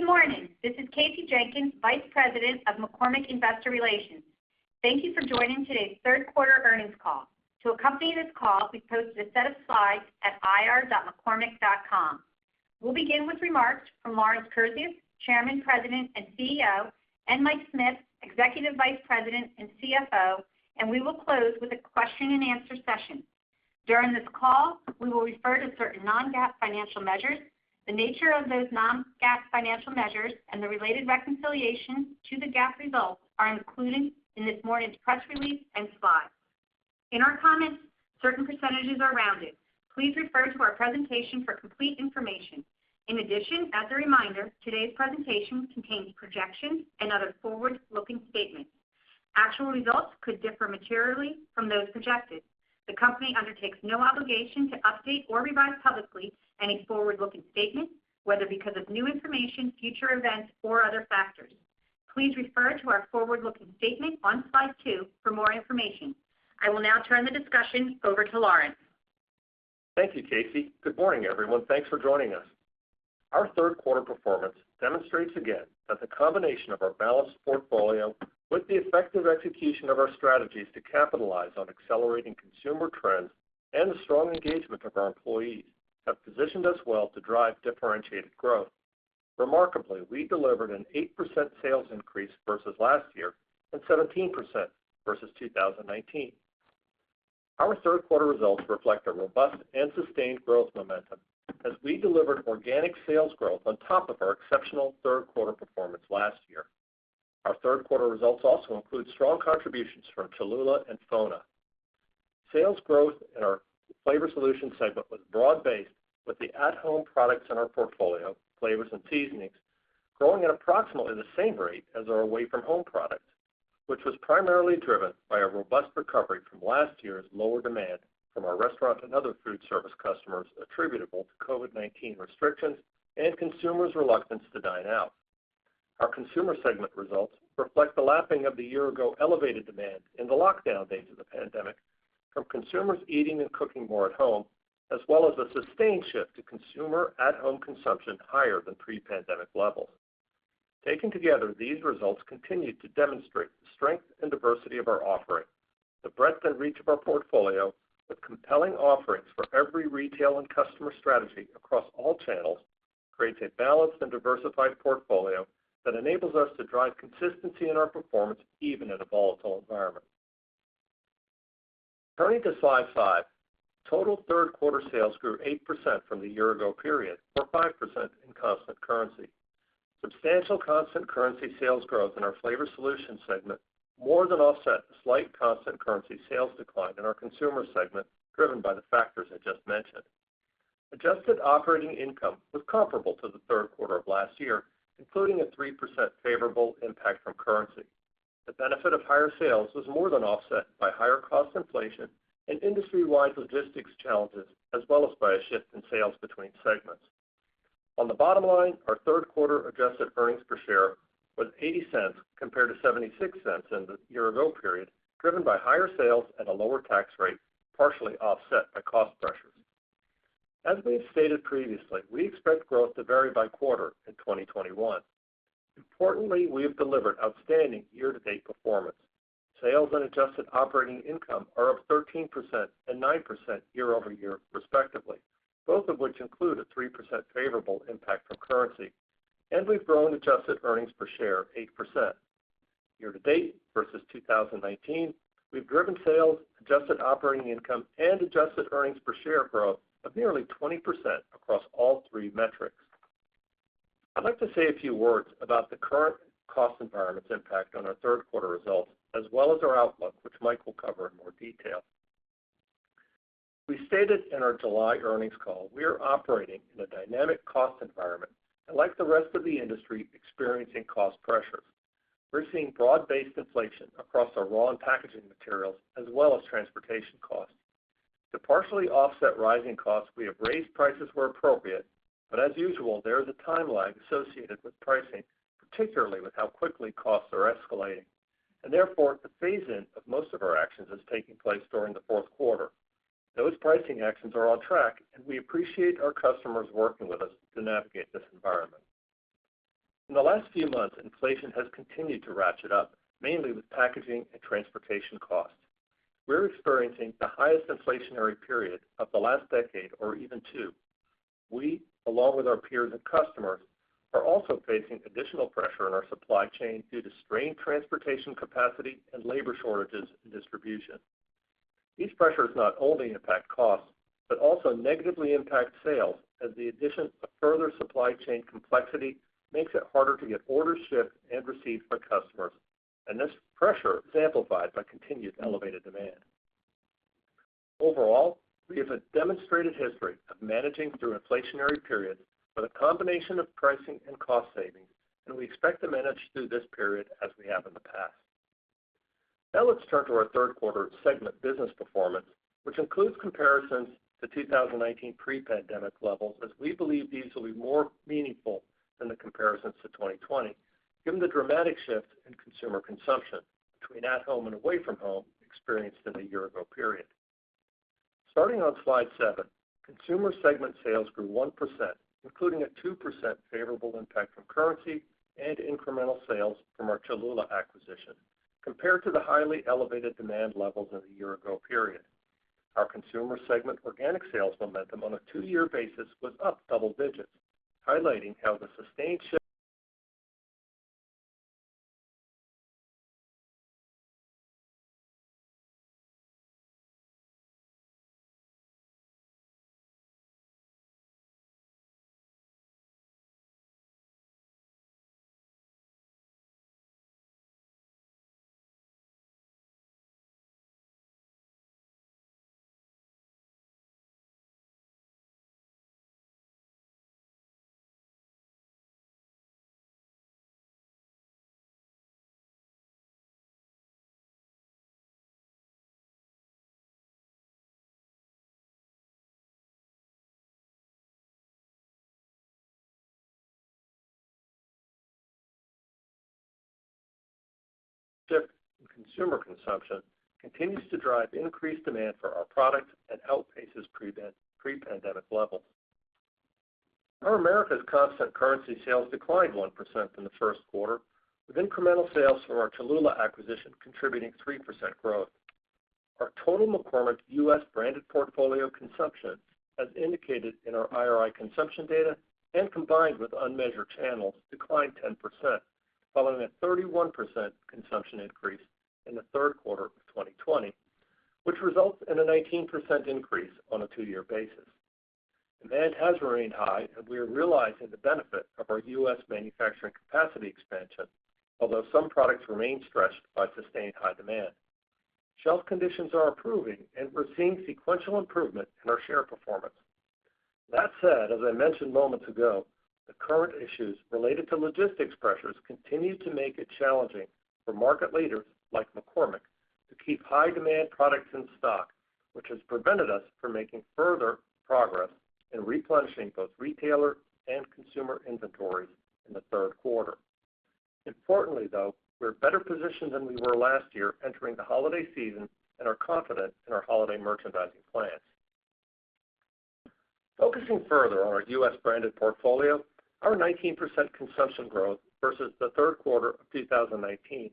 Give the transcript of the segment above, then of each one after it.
Good morning. This is Kasey Jenkins, Vice President of McCormick Investor Relations. Thank you for joining today's third quarter earnings call. To accompany this call, we've posted a set of slides at ir.mccormick.com. We'll begin with remarks from Lawrence Kurzius, Chairman, President, and CEO, and Mike Smith, Executive Vice President and CFO, and we will close with a question and answer session. During this call, we will refer to certain non-GAAP financial measures. The nature of those non-GAAP financial measures and the related reconciliation to the GAAP results are included in this morning's press release and slides. In our comments, certain percentages are rounded. Please refer to our presentation for complete information. As a reminder, today's presentation contains projections and other forward-looking statements. Actual results could differ materially from those projected. The company undertakes no obligation to update or revise publicly any forward-looking statements, whether because of new information, future events, or other factors. Please refer to our forward-looking statement on slide two for more information. I will now turn the discussion over to Lawrence. Thank you, Kasey. Good morning, everyone. Thanks for joining us. Our third quarter performance demonstrates again that the combination of our balanced portfolio with the effective execution of our strategies to capitalize on accelerating consumer trends and the strong engagement of our employees have positioned us well to drive differentiated growth. Remarkably, we delivered an 8% sales increase versus last year and 17% versus 2019. Our third quarter results reflect a robust and sustained growth momentum as we delivered organic sales growth on top of our exceptional third quarter performance last year. Our third quarter results also include strong contributions from Cholula and FONA. Sales growth in our flavor solution segment was broad-based with the at-home products in our portfolio, flavors and seasonings, growing at approximately the same rate as our away-from-home products, which was primarily driven by a robust recovery from last year's lower demand from our restaurant and other food service customers attributable to COVID-19 restrictions and consumers' reluctance to dine out. Our Consumer Segment results reflect the lapping of the year-ago elevated demand in the lockdown days of the pandemic from consumers eating and cooking more at home, as well as a sustained shift to consumer at-home consumption higher than pre-pandemic levels. Taken together, these results continue to demonstrate the strength and diversity of our offering. The breadth and reach of our portfolio, with compelling offerings for every retail and customer strategy across all channels, creates a balanced and diversified portfolio that enables us to drive consistency in our performance, even in a volatile environment. Turning to slide five, total third quarter sales grew 8% from the year-ago period or 5% in constant currency. Substantial constant currency sales growth in our Flavor Solutions segment more than offset a slight constant currency sales decline in our Consumer segment, driven by the factors I just mentioned. Adjusted operating income was comparable to the third quarter of last year, including a 3% favorable impact from currency. The benefit of higher sales was more than offset by higher cost inflation and industry-wide logistics challenges as well as by a shift in sales between segments. On the bottom line, our third quarter adjusted earnings per share was $0.80 compared to $0.76 in the year-ago period, driven by higher sales at a lower tax rate, partially offset by cost pressures. As we have stated previously, we expect growth to vary by quarter in 2021. Importantly, we have delivered outstanding year-to-date performance. Sales and adjusted operating income are up 13% and 9% year-over-year respectively, both of which include a 3% favorable impact from currency, and we've grown adjusted earnings per share 8%. Year-to-date versus 2019, we've driven sales, adjusted operating income, and adjusted earnings per share growth of nearly 20% across all three metrics. I'd like to say a few words about the current cost environment's impact on our third quarter results as well as our outlook, which Mike will cover in more detail. We stated in our July earnings call we are operating in a dynamic cost environment, and like the rest of the industry, experiencing cost pressures. We're seeing broad-based inflation across our raw and packaging materials as well as transportation costs. To partially offset rising costs, we have raised prices where appropriate, but as usual, there is a time lag associated with pricing, particularly with how quickly costs are escalating. Therefore, the phase-in of most of our actions is taking place during the fourth quarter. Those pricing actions are on track, and we appreciate our customers working with us to navigate this environment. In the last few months, inflation has continued to ratchet up, mainly with packaging and transportation costs. We're experiencing the highest inflationary period of the last decade or even two. We, along with our peers and customers, are also facing additional pressure in our supply chain due to strained transportation capacity and labor shortages in distribution. These pressures not only impact costs but also negatively impact sales as the addition of further supply chain complexity makes it harder to get orders shipped and received by customers, and this pressure is amplified by continued elevated demand. Overall, we have a demonstrated history of managing through inflationary periods with a combination of pricing and cost savings, and we expect to manage through this period as we have in the past. Let's turn to our third quarter segment business performance, which includes comparisons to 2019 pre-pandemic levels as we believe these will be more meaningful than the comparisons to 2020, given the dramatic shift in consumer consumption between at home and away from home experienced in the year-ago period. Starting on slide seven, consumer segment sales grew 1%, including a 2% favorable impact from currency and incremental sales from our Cholula acquisition compared to the highly elevated demand levels of the year-ago period. Our consumer segment organic sales momentum on a two-year basis was up double digits, highlighting how the sustained shift in consumer consumption continues to drive increased demand for our products and outpaces pre-pandemic levels. Our Americas constant currency sales declined 1% in the first quarter, with incremental sales from our Cholula acquisition contributing 3% growth. Our total McCormick U.S. branded portfolio consumption, as indicated in our IRI consumption data and combined with unmeasured channels, declined 10%, following a 31% consumption increase in the third quarter of 2020, which results in a 19% increase on a two-year basis. Demand has remained high, and we are realizing the benefit of our U.S. manufacturing capacity expansion, although some products remain stressed by sustained high demand. Shelf conditions are improving, and we're seeing sequential improvement in our share performance. That said, as I mentioned moments ago, the current issues related to logistics pressures continue to make it challenging for market leaders like McCormick to keep high-demand products in stock, which has prevented us from making further progress in replenishing both retailer and consumer inventories in the third quarter. Importantly, though, we're better positioned than we were last year entering the holiday season and are confident in our holiday merchandising plans. Focusing further on our U.S. branded portfolio, our 19% consumption growth versus the third quarter of 2019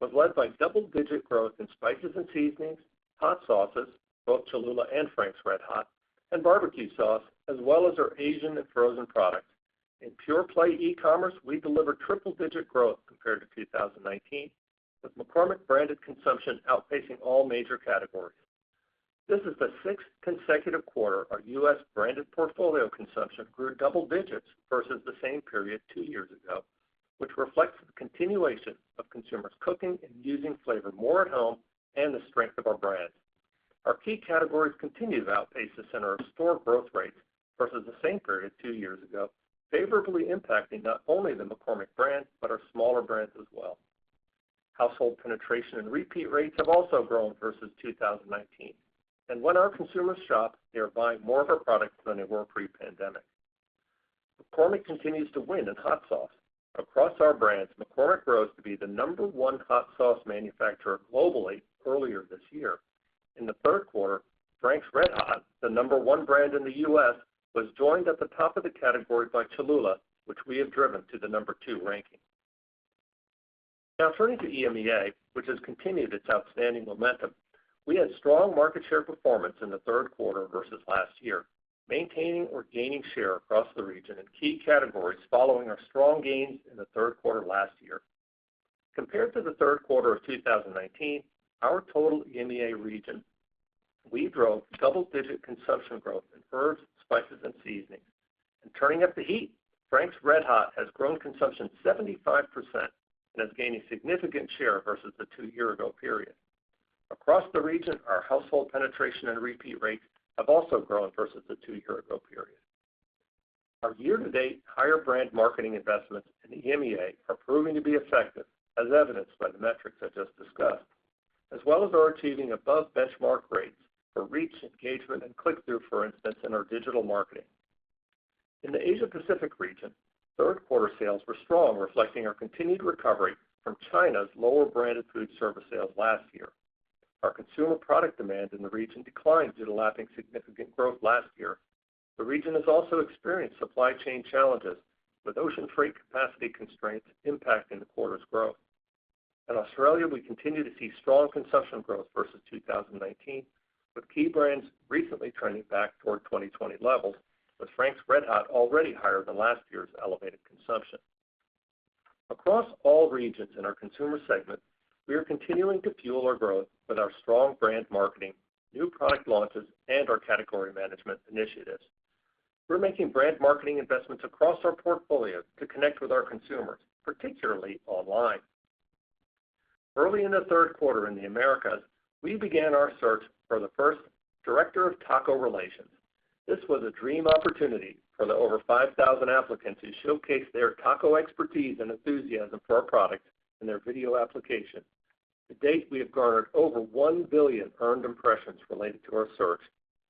was led by double-digit growth in spices and seasonings, hot sauces, both Cholula and Frank's RedHot, and barbecue sauce, as well as our Asian and frozen products. In pure-play e-commerce, we delivered triple-digit growth compared to 2019, with McCormick branded consumption outpacing all major categories. This is the sixth consecutive quarter our U.S. branded portfolio consumption grew double digits versus the same period two years ago, which reflects the continuation of consumers cooking and using flavor more at home and the strength of our brands. Our key categories continue to outpace the center of store growth rates versus the same period two years ago, favorably impacting not only the McCormick brand but our smaller brands as well. Household penetration and repeat rates have also grown versus 2019. When our consumers shop, they are buying more of our products than they were pre-pandemic. McCormick continues to win in hot sauce. Across our brands, McCormick rose to be the number one hot sauce manufacturer globally earlier this year. In the third quarter, Frank's RedHot, the number one brand in the U.S., was joined at the top of the category by Cholula, which we have driven to the number two ranking. Now turning to EMEA, which has continued its outstanding momentum. We had strong market share performance in the third quarter versus last year, maintaining or gaining share across the region in key categories following our strong gains in the third quarter last year. Compared to the third quarter of 2019, our total EMEA region, we drove double-digit consumption growth in herbs, spices, and seasonings. Turning up the heat, Frank's RedHot has grown consumption 75% and is gaining significant share versus the two year ago period. Across the region, our household penetration and repeat rates have also grown versus the two year ago period. Our year-to-date higher brand marketing investments in EMEA are proving to be effective, as evidenced by the metrics I just discussed, as well as our achieving above benchmark rates for reach, engagement, and click-through, for instance, in our digital marketing. In the Asia Pacific region, third quarter sales were strong, reflecting our continued recovery from China's lower branded food service sales last year. Our consumer product demand in the region declined due to lapping significant growth last year. The region has also experienced supply chain challenges, with ocean freight capacity constraints impacting the quarter's growth. In Australia, we continue to see strong consumption growth versus 2019, with key brands recently trending back toward 2020 levels, with Frank's RedHot already higher than last year's elevated consumption. Across all regions in our consumer segment, we are continuing to fuel our growth with our strong brand marketing, new product launches, and our category management initiatives. We're making brand marketing investments across our portfolio to connect with our consumers, particularly online. Early in the third quarter in the Americas, we began our search for the first Director of Taco Relations. This was a dream opportunity for the over 5,000 applicants who showcased their taco expertise and enthusiasm for our product in their video application. To date, we have garnered over 1 billion earned impressions related to our search,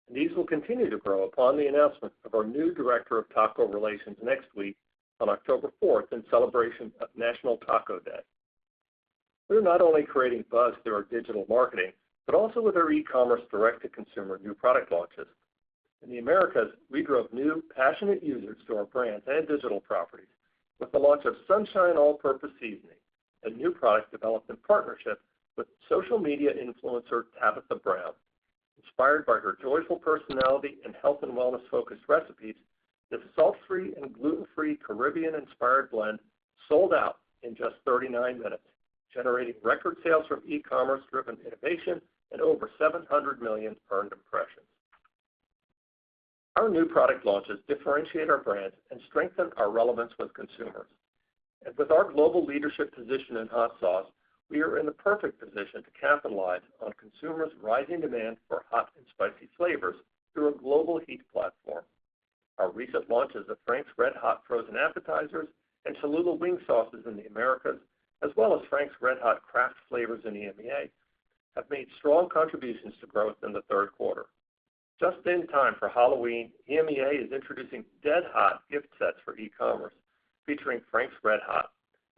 and these will continue to grow upon the announcement of our new Director of Taco Relations next week on October 4th in celebration of National Taco Day. We're not only creating buzz through our digital marketing, but also with our e-commerce direct-to-consumer new product launches. In the Americas, we drove new passionate users to our brands and digital properties with the launch of Sunshine All-Purpose Seasoning, a new product developed in partnership with social media influencer Tabitha Brown. Inspired by her joyful personality and health and wellness-focused recipes, this salt-free and gluten-free Caribbean-inspired blend sold out in just 39 minutes, generating record sales from e-commerce driven innovation and over 700 million earned impressions. Our new product launches differentiate our brands and strengthen our relevance with consumers. With our global leadership position in hot sauce, we are in the perfect position to capitalize on consumers' rising demand for hot and spicy flavors through a global heat platform. Our recent launches of Frank's RedHot frozen appetizers and Cholula wing sauces in the Americas, as well as Frank's RedHot craft flavors in EMEA, have made strong contributions to growth in the third quarter. Just in time for Halloween, EMEA is introducing RedHot gift sets for e-commerce featuring Frank's RedHot.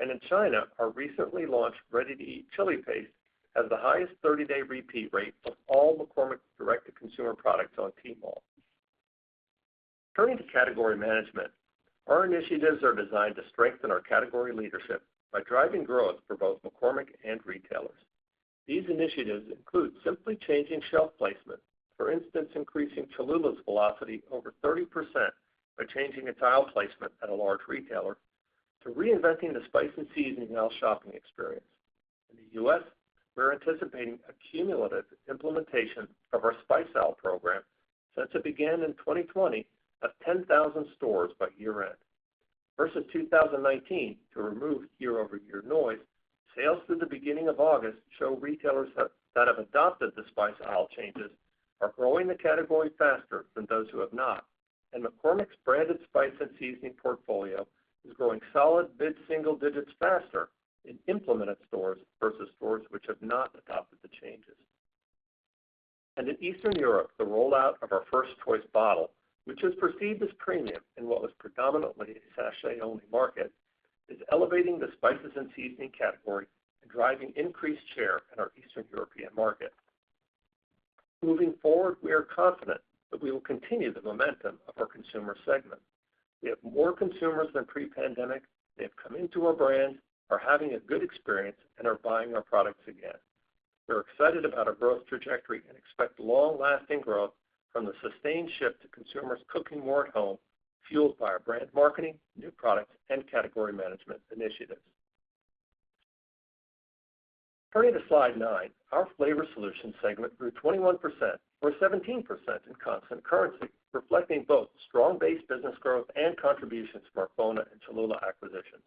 In China, our recently launched ready-to-eat chili paste has the highest 30-day repeat rate of all McCormick direct-to-consumer products on Tmall. Turning to category management, our initiatives are designed to strengthen our category leadership by driving growth for both McCormick and retailers. These initiatives include simply changing shelf placement. For instance, increasing Cholula's velocity over 30% by changing aisle placement at a large retailer to reinventing the Spice Aisle shopping experience. In the U.S., we're anticipating a cumulative implementation of our Spice Aisle Program, since it began in 2020, of 10,000 stores by year-end. Versus 2019, to remove year-over-year noise, sales through the beginning of August show retailers that have adopted the Spice Aisle changes are growing the category faster than those who have not. McCormick's branded spice and seasoning portfolio is growing solid mid-single digits faster in implemented stores versus stores which have not adopted the changes. In Eastern Europe, the rollout of our first choice bottle, which is perceived as premium in what was predominantly a sachet-only market, is elevating the spices and seasoning category and driving increased share in our Eastern European market. Moving forward, we are confident that we will continue the momentum of our consumer segment. We have more consumers than pre-pandemic. They have come into our brand, are having a good experience, and are buying our products again. We're excited about our growth trajectory and expect long-lasting growth from the sustained shift to consumers cooking more at home, fueled by our brand marketing, new products, and category management initiatives. Turning to slide nine, our Flavor Solutions segment grew 21%, or 17% in constant currency, reflecting both strong base business growth and contributions from our FONA and Cholula acquisitions.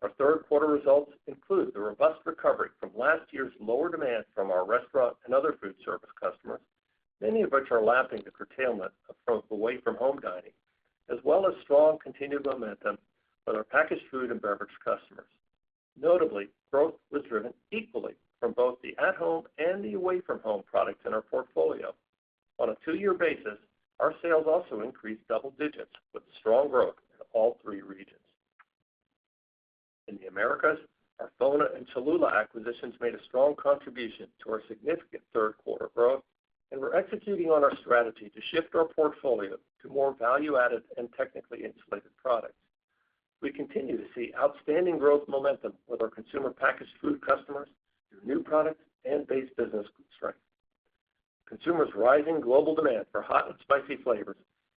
Our third quarter results include the robust recovery from last year's lower demand from our restaurant and other food service customers, many of which are lapping the curtailment from away-from-home dining, as well as strong continued momentum with our packaged food and beverage customers. Notably, growth was driven equally from both the at-home and the away-from-home products in our portfolio. On a two-year basis, our sales also increased double digits with strong growth in all three regions. In the Americas, our FONA and Cholula acquisitions made a strong contribution to our significant third quarter growth. We're executing on our strategy to shift our portfolio to more value-added and technically insulated products. We continue to see outstanding growth momentum with our consumer packaged food customers through new products and base business strength. Consumers' rising global demand for hot and spicy flavors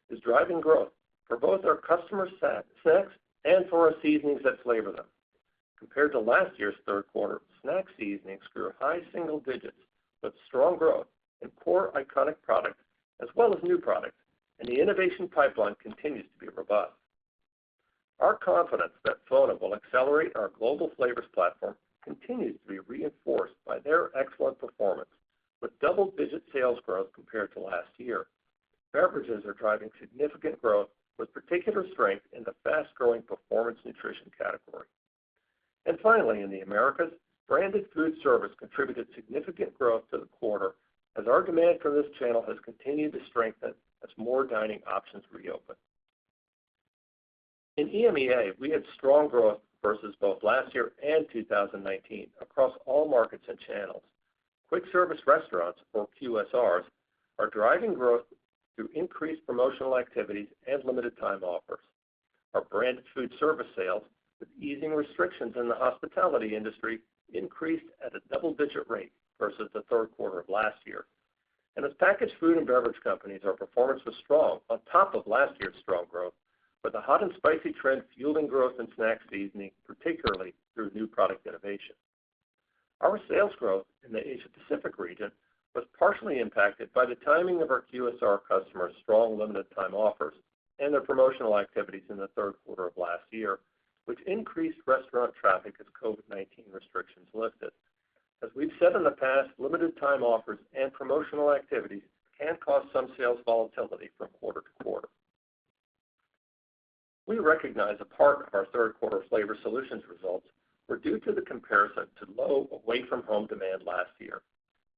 is driving growth for both our customer sets and for our seasonings that flavor them. Compared to last year's third quarter, snack seasonings grew high single digits with strong growth in core iconic products as well as new products, and the innovation pipeline continues to be robust. Our confidence that FONA will accelerate our global flavors platform continues to be reinforced by their excellent performance with double-digit sales growth compared to last year. Beverages are driving significant growth with particular strength in the fast-growing performance nutrition category. Finally, in the Americas, branded food service contributed significant growth to the quarter as our demand for this channel has continued to strengthen as more dining options reopen. In EMEA, we had strong growth versus both last year and 2019 across all markets and channels. Quick Service Restaurants, or QSRs, are driving growth through increased promotional activities and limited time offers. Our branded food service sales, with easing restrictions in the hospitality industry, increased at a double-digit rate versus the third quarter of last year. As packaged food and beverage companies, our performance was strong on top of last year's strong growth, with the hot and spicy trend fueling growth in snack seasoning, particularly through new product innovation. Our sales growth in the Asia Pacific region was partially impacted by the timing of our QSR customers' strong limited time offers and their promotional activities in the third quarter of last year, which increased restaurant traffic as COVID-19 restrictions lifted. As we've said in the past, limited time offers and promotional activities can cause some sales volatility from quarter to quarter. We recognize a part of our third quarter Flavor Solutions results were due to the comparison to low away-from-home demand last year.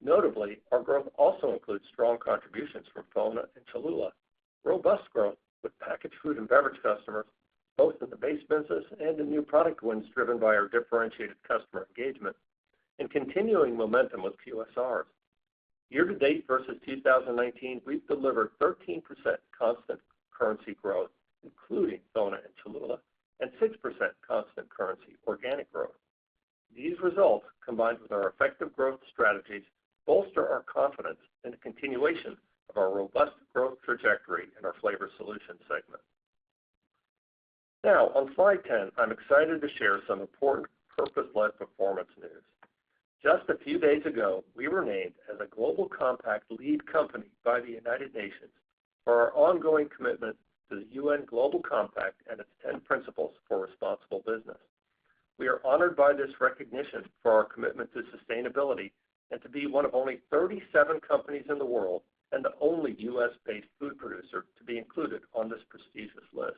Notably, our growth also includes strong contributions from FONA and Cholula, robust growth with packaged food and beverage customers, both in the base business and in new product wins driven by our differentiated customer engagement and continuing momentum with QSR. Year-to-date versus 2019, we've delivered 13% constant currency growth, including FONA and Cholula, and 6% constant currency organic growth. These results, combined with our effective growth strategies, bolster our confidence in the continuation of our robust growth trajectory in our Flavor Solutions segment. Now, on slide 10, I'm excited to share some important purpose-led performance news. Just a few days ago, we were named as a Global Compact Lead Company by the United Nations for our ongoing commitment to the UN Global Compact and its 10 principles for responsible business. We are honored by this recognition for our commitment to sustainability and to be one of only 37 companies in the world and the only U.S.-based food producer to be included on this prestigious list.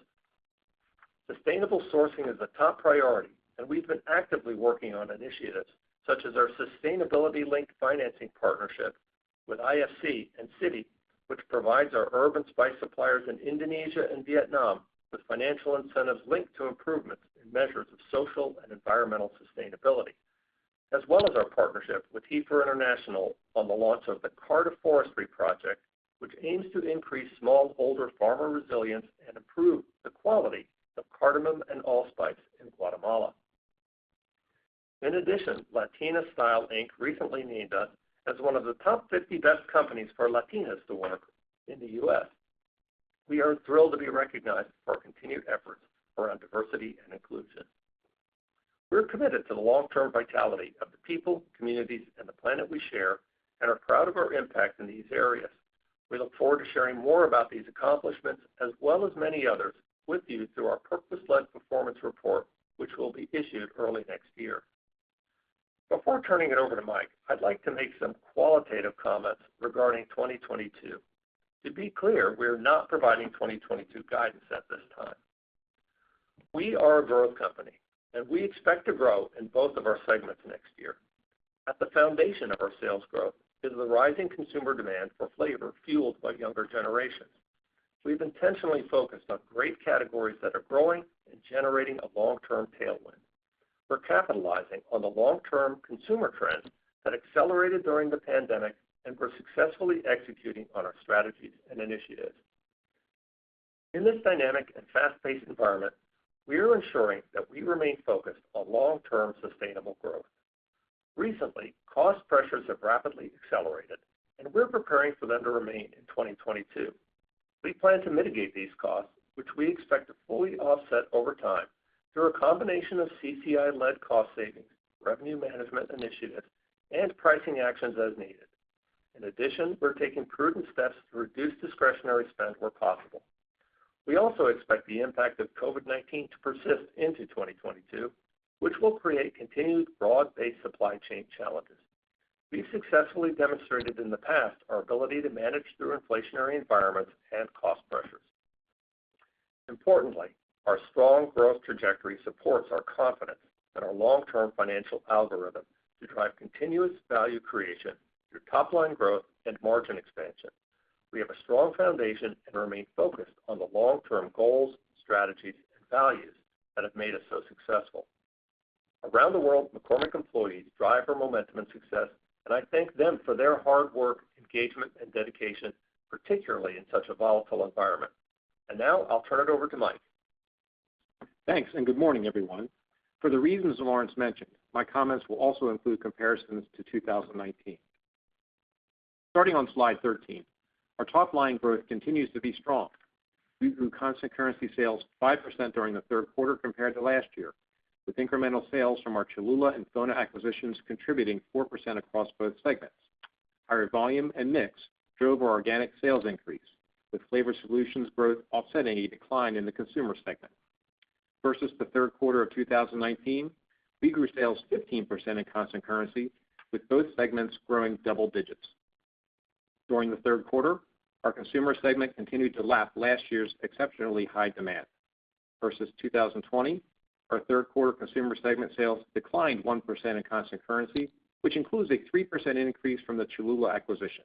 Sustainable sourcing is a top priority, and we've been actively working on initiatives such as our sustainability-linked financing partnership with IFC and Citi, which provides our herb and spice suppliers in Indonesia and Vietnam with financial incentives linked to improvements in measures of social and environmental sustainability. As well as our partnership with Heifer International on the launch of the Cardaforestry Project, which aims to increase smallholder farmer resilience and improve the quality of cardamom and allspice in Guatemala. LATINA Style Inc. recently named us as one of the top 50 best companies for Latinas to work in the U.S. We are thrilled to be recognized for our continued efforts around diversity and inclusion. We're committed to the long-term vitality of the people, communities, and the planet we share, and are proud of our impact in these areas. We look forward to sharing more about these accomplishments as well as many others with you through our purpose-led performance report, which will be issued early next year. Before turning it over to Mike, I'd like to make some qualitative comments regarding 2022. To be clear, we're not providing 2022 guidance at this time. We are a growth company, and we expect to grow in both of our segments next year. At the foundation of our sales growth is the rising consumer demand for flavor fueled by younger generations. We've intentionally focused on great categories that are growing and generating a long-term tailwind. We're capitalizing on the long-term consumer trends that accelerated during the pandemic, and we're successfully executing on our strategies and initiatives. In this dynamic and fast-paced environment, we are ensuring that we remain focused on long-term sustainable growth. Recently, cost pressures have rapidly accelerated, and we're preparing for them to remain in 2022. We plan to mitigate these costs, which we expect to fully offset over time, through a combination of CCI-led cost savings, revenue management initiatives, and pricing actions as needed. In addition, we're taking prudent steps to reduce discretionary spend where possible. We also expect the impact of COVID-19 to persist into 2022, which will create continued broad-based supply chain challenges. We've successfully demonstrated in the past our ability to manage through inflationary environments and cost pressures. Importantly, our strong growth trajectory supports our confidence in our long-term financial algorithm to drive continuous value creation through top-line growth and margin expansion. We have a strong foundation and remain focused on the long-term goals, strategies, and values that have made us so successful. Around the world, McCormick employees drive our momentum and success, and I thank them for their hard work, engagement, and dedication, particularly in such a volatile environment. Now I'll turn it over to Mike. Thanks. Good morning, everyone. For the reasons Lawrence mentioned, my comments will also include comparisons to 2019. Starting on slide 13, our top-line growth continues to be strong. We grew constant currency sales 5% during the third quarter compared to last year, with incremental sales from our Cholula and FONA acquisitions contributing 4% across both segments. Higher volume and mix drove our organic sales increase, with Flavor Solutions growth offsetting a decline in the Consumer segment. Versus the third quarter of 2019, we grew sales 15% in constant currency, with both segments growing double digits. During the third quarter, our Consumer segment continued to lap last year's exceptionally high demand. Versus 2020, our third quarter Consumer segment sales declined 1% in constant currency, which includes a 3% increase from the Cholula acquisition.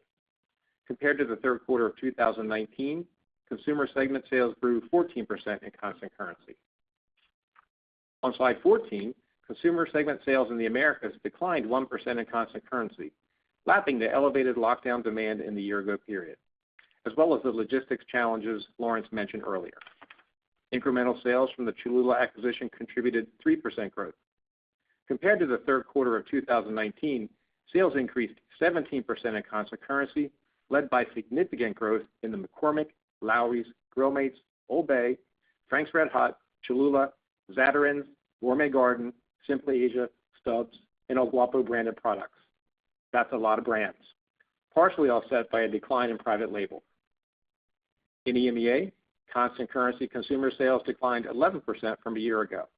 Compared to the third quarter of 2019, Consumer segment sales grew 14% in constant currency. On slide 14, Consumer Segment sales in the Americas declined 1% in constant currency, lapping the elevated lockdown demand in the year ago period, as well as the logistics challenges Lawrence mentioned earlier. Incremental sales from the Cholula acquisition contributed 3% growth. Compared to the third quarter of 2019, sales increased 17% in constant currency, led by significant growth in the McCormick, Lawry's, Grill Mates, Old Bay, Frank's RedHot, Cholula, Zatarain's, Gourmet Garden, Simply Asia, Stubb's, and El Guapo branded products. That's a lot of brands. Partially offset by a decline in private label. In EMEA, constant currency Consumer sales declined 11% from a year ago,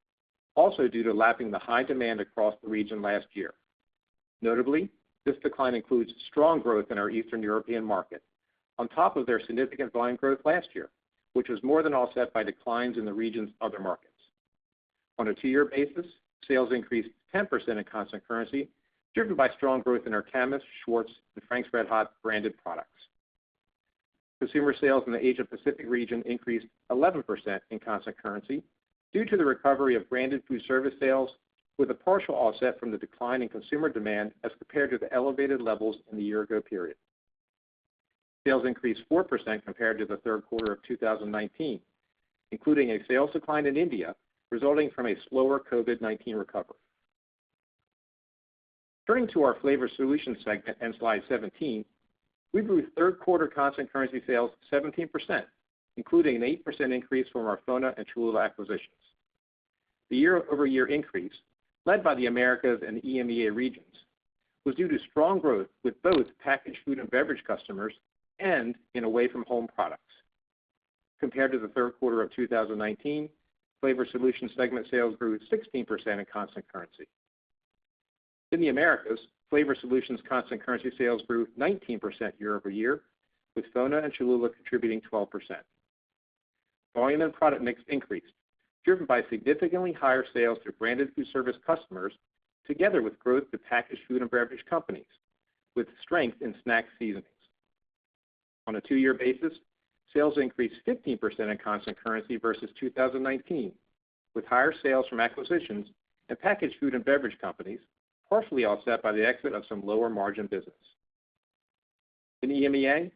also due to lapping the high demand across the region last year. Notably, this decline includes strong growth in our Eastern European market, on top of their significant volume growth last year, which was more than offset by declines in the region's other markets. On a two-year basis, sales increased 10% in constant currency, driven by strong growth in our Kamis, Schwartz, and Frank's RedHot branded products. Consumer sales in the Asia Pacific region increased 11% in constant currency due to the recovery of branded food service sales, with a partial offset from the decline in consumer demand as compared to the elevated levels in the year-ago period. Sales increased 4% compared to the third quarter of 2019, including a sales decline in India resulting from a slower COVID-19 recovery. Turning to our flavor solutions segment on Slide 17, we grew third-quarter constant currency sales 17%, including an 8% increase from our FONA and Cholula acquisitions. The year-over-year increase, led by the Americas and EMEA regions, was due to strong growth with both packaged food and beverage customers and in away-from-home products. Compared to the third quarter of 2019, Flavor Solutions segment sales grew 16% in constant currency. In the Americas, Flavor Solutions constant currency sales grew 19% year-over-year, with FONA and Cholula contributing 12%. Volume and product mix increased, driven by significantly higher sales to branded food service customers together with growth to packaged food and beverage companies, with strength in snack seasonings. On a two-year basis, sales increased 15% in constant currency versus 2019, with higher sales from acquisitions and packaged food and beverage companies partially offset by the exit of some lower-margin business. In EMEA,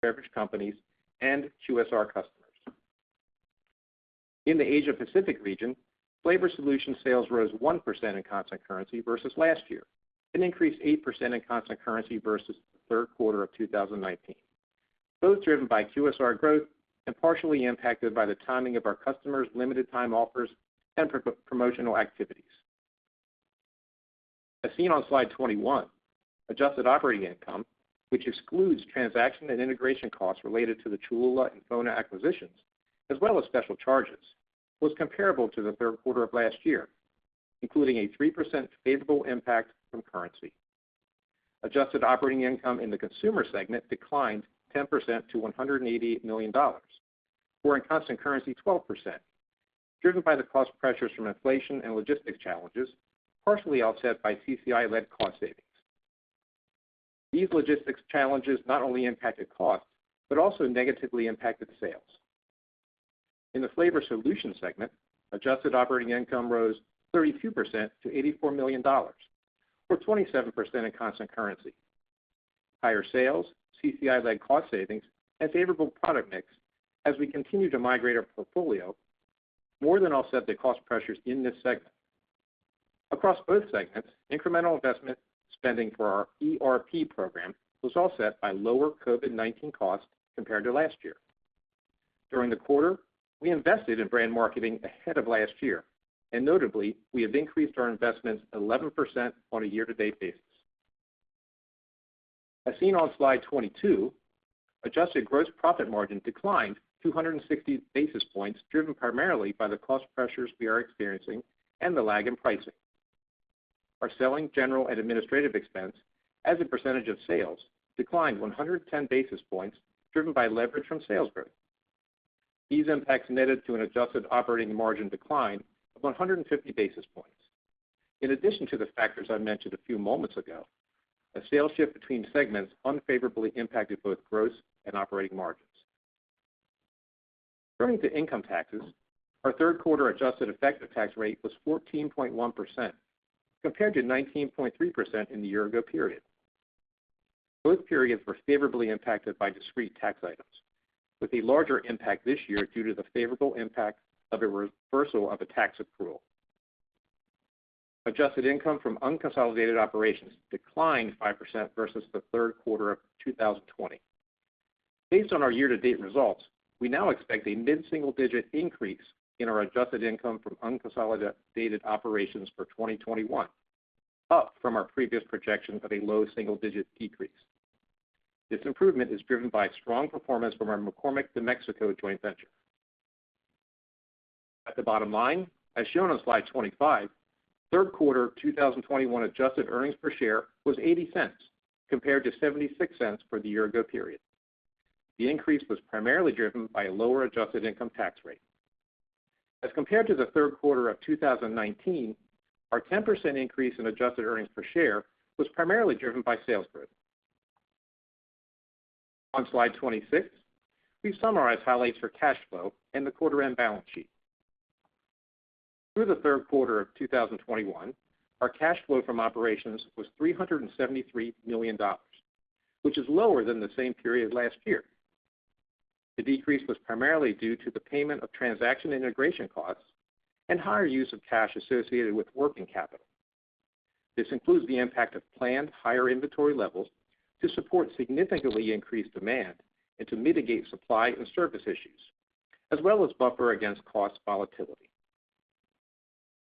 beverage companies, and QSR customers. In the Asia Pacific region, flavor solutions sales rose 1% in constant currency versus last year and increased 8% in constant currency versus the third quarter of 2019, both driven by QSR growth and partially impacted by the timing of our customers' limited time offers and promotional activities. As seen on Slide 21, adjusted operating income, which excludes transaction and integration costs related to the Cholula and FONA acquisitions as well as special charges, was comparable to the third quarter of last year, including a 3% favorable impact from currency. Adjusted operating income in the consumer segment declined 10% to $180 million, or in constant currency, 12%, driven by the cost pressures from inflation and logistics challenges, partially offset by CCI-led cost savings. These logistics challenges not only impacted costs but also negatively impacted sales. In the flavor solutions segment, adjusted operating income rose 32% to $84 million, or 27% in constant currency. Higher sales, CCI-led cost savings, and favorable product mix as we continue to migrate our portfolio more than offset the cost pressures in this segment. Across both segments, incremental investment spending for our ERP program was offset by lower COVID-19 costs compared to last year. During the quarter, we invested in brand marketing ahead of last year, and notably, we have increased our investments 11% on a year-to-date basis. As seen on Slide 22, adjusted gross profit margin declined 260 basis points, driven primarily by the cost pressures we are experiencing and the lag in pricing. Our selling, general, and administrative expense as a percentage of sales declined 110 basis points, driven by leverage from sales growth. These impacts netted to an adjusted operating margin decline of 150 basis points. In addition to the factors I mentioned a few moments ago, a sales shift between segments unfavorably impacted both gross and operating margins. Turning to income taxes, our third quarter adjusted effective tax rate was 14.1% compared to 19.3% in the year-ago period. Both periods were favorably impacted by discrete tax items, with a larger impact this year due to the favorable impact of a reversal of a tax accrual. Adjusted income from unconsolidated operations declined 5% versus the third quarter of 2020. Based on our year-to-date results, we now expect a mid-single-digit increase in our adjusted income from unconsolidated operations for 2021, up from our previous projection of a low single-digit decrease. This improvement is driven by strong performance from our McCormick de Mexico joint venture. At the bottom line, as shown on slide 25, third quarter 2021 adjusted earnings per share was $0.80 compared to $0.76 for the year-ago period. The increase was primarily driven by a lower adjusted income tax rate. As compared to the third quarter of 2019, our 10% increase in adjusted earnings per share was primarily driven by sales growth. On Slide 26, we summarize highlights for cash flow and the quarter-end balance sheet. Through the third quarter of 2021, our cash flow from operations was $373 million, which is lower than the same period last year. The decrease was primarily due to the payment of transaction integration costs and higher use of cash associated with working capital. This includes the impact of planned higher inventory levels to support significantly increased demand and to mitigate supply and service issues, as well as buffer against cost volatility.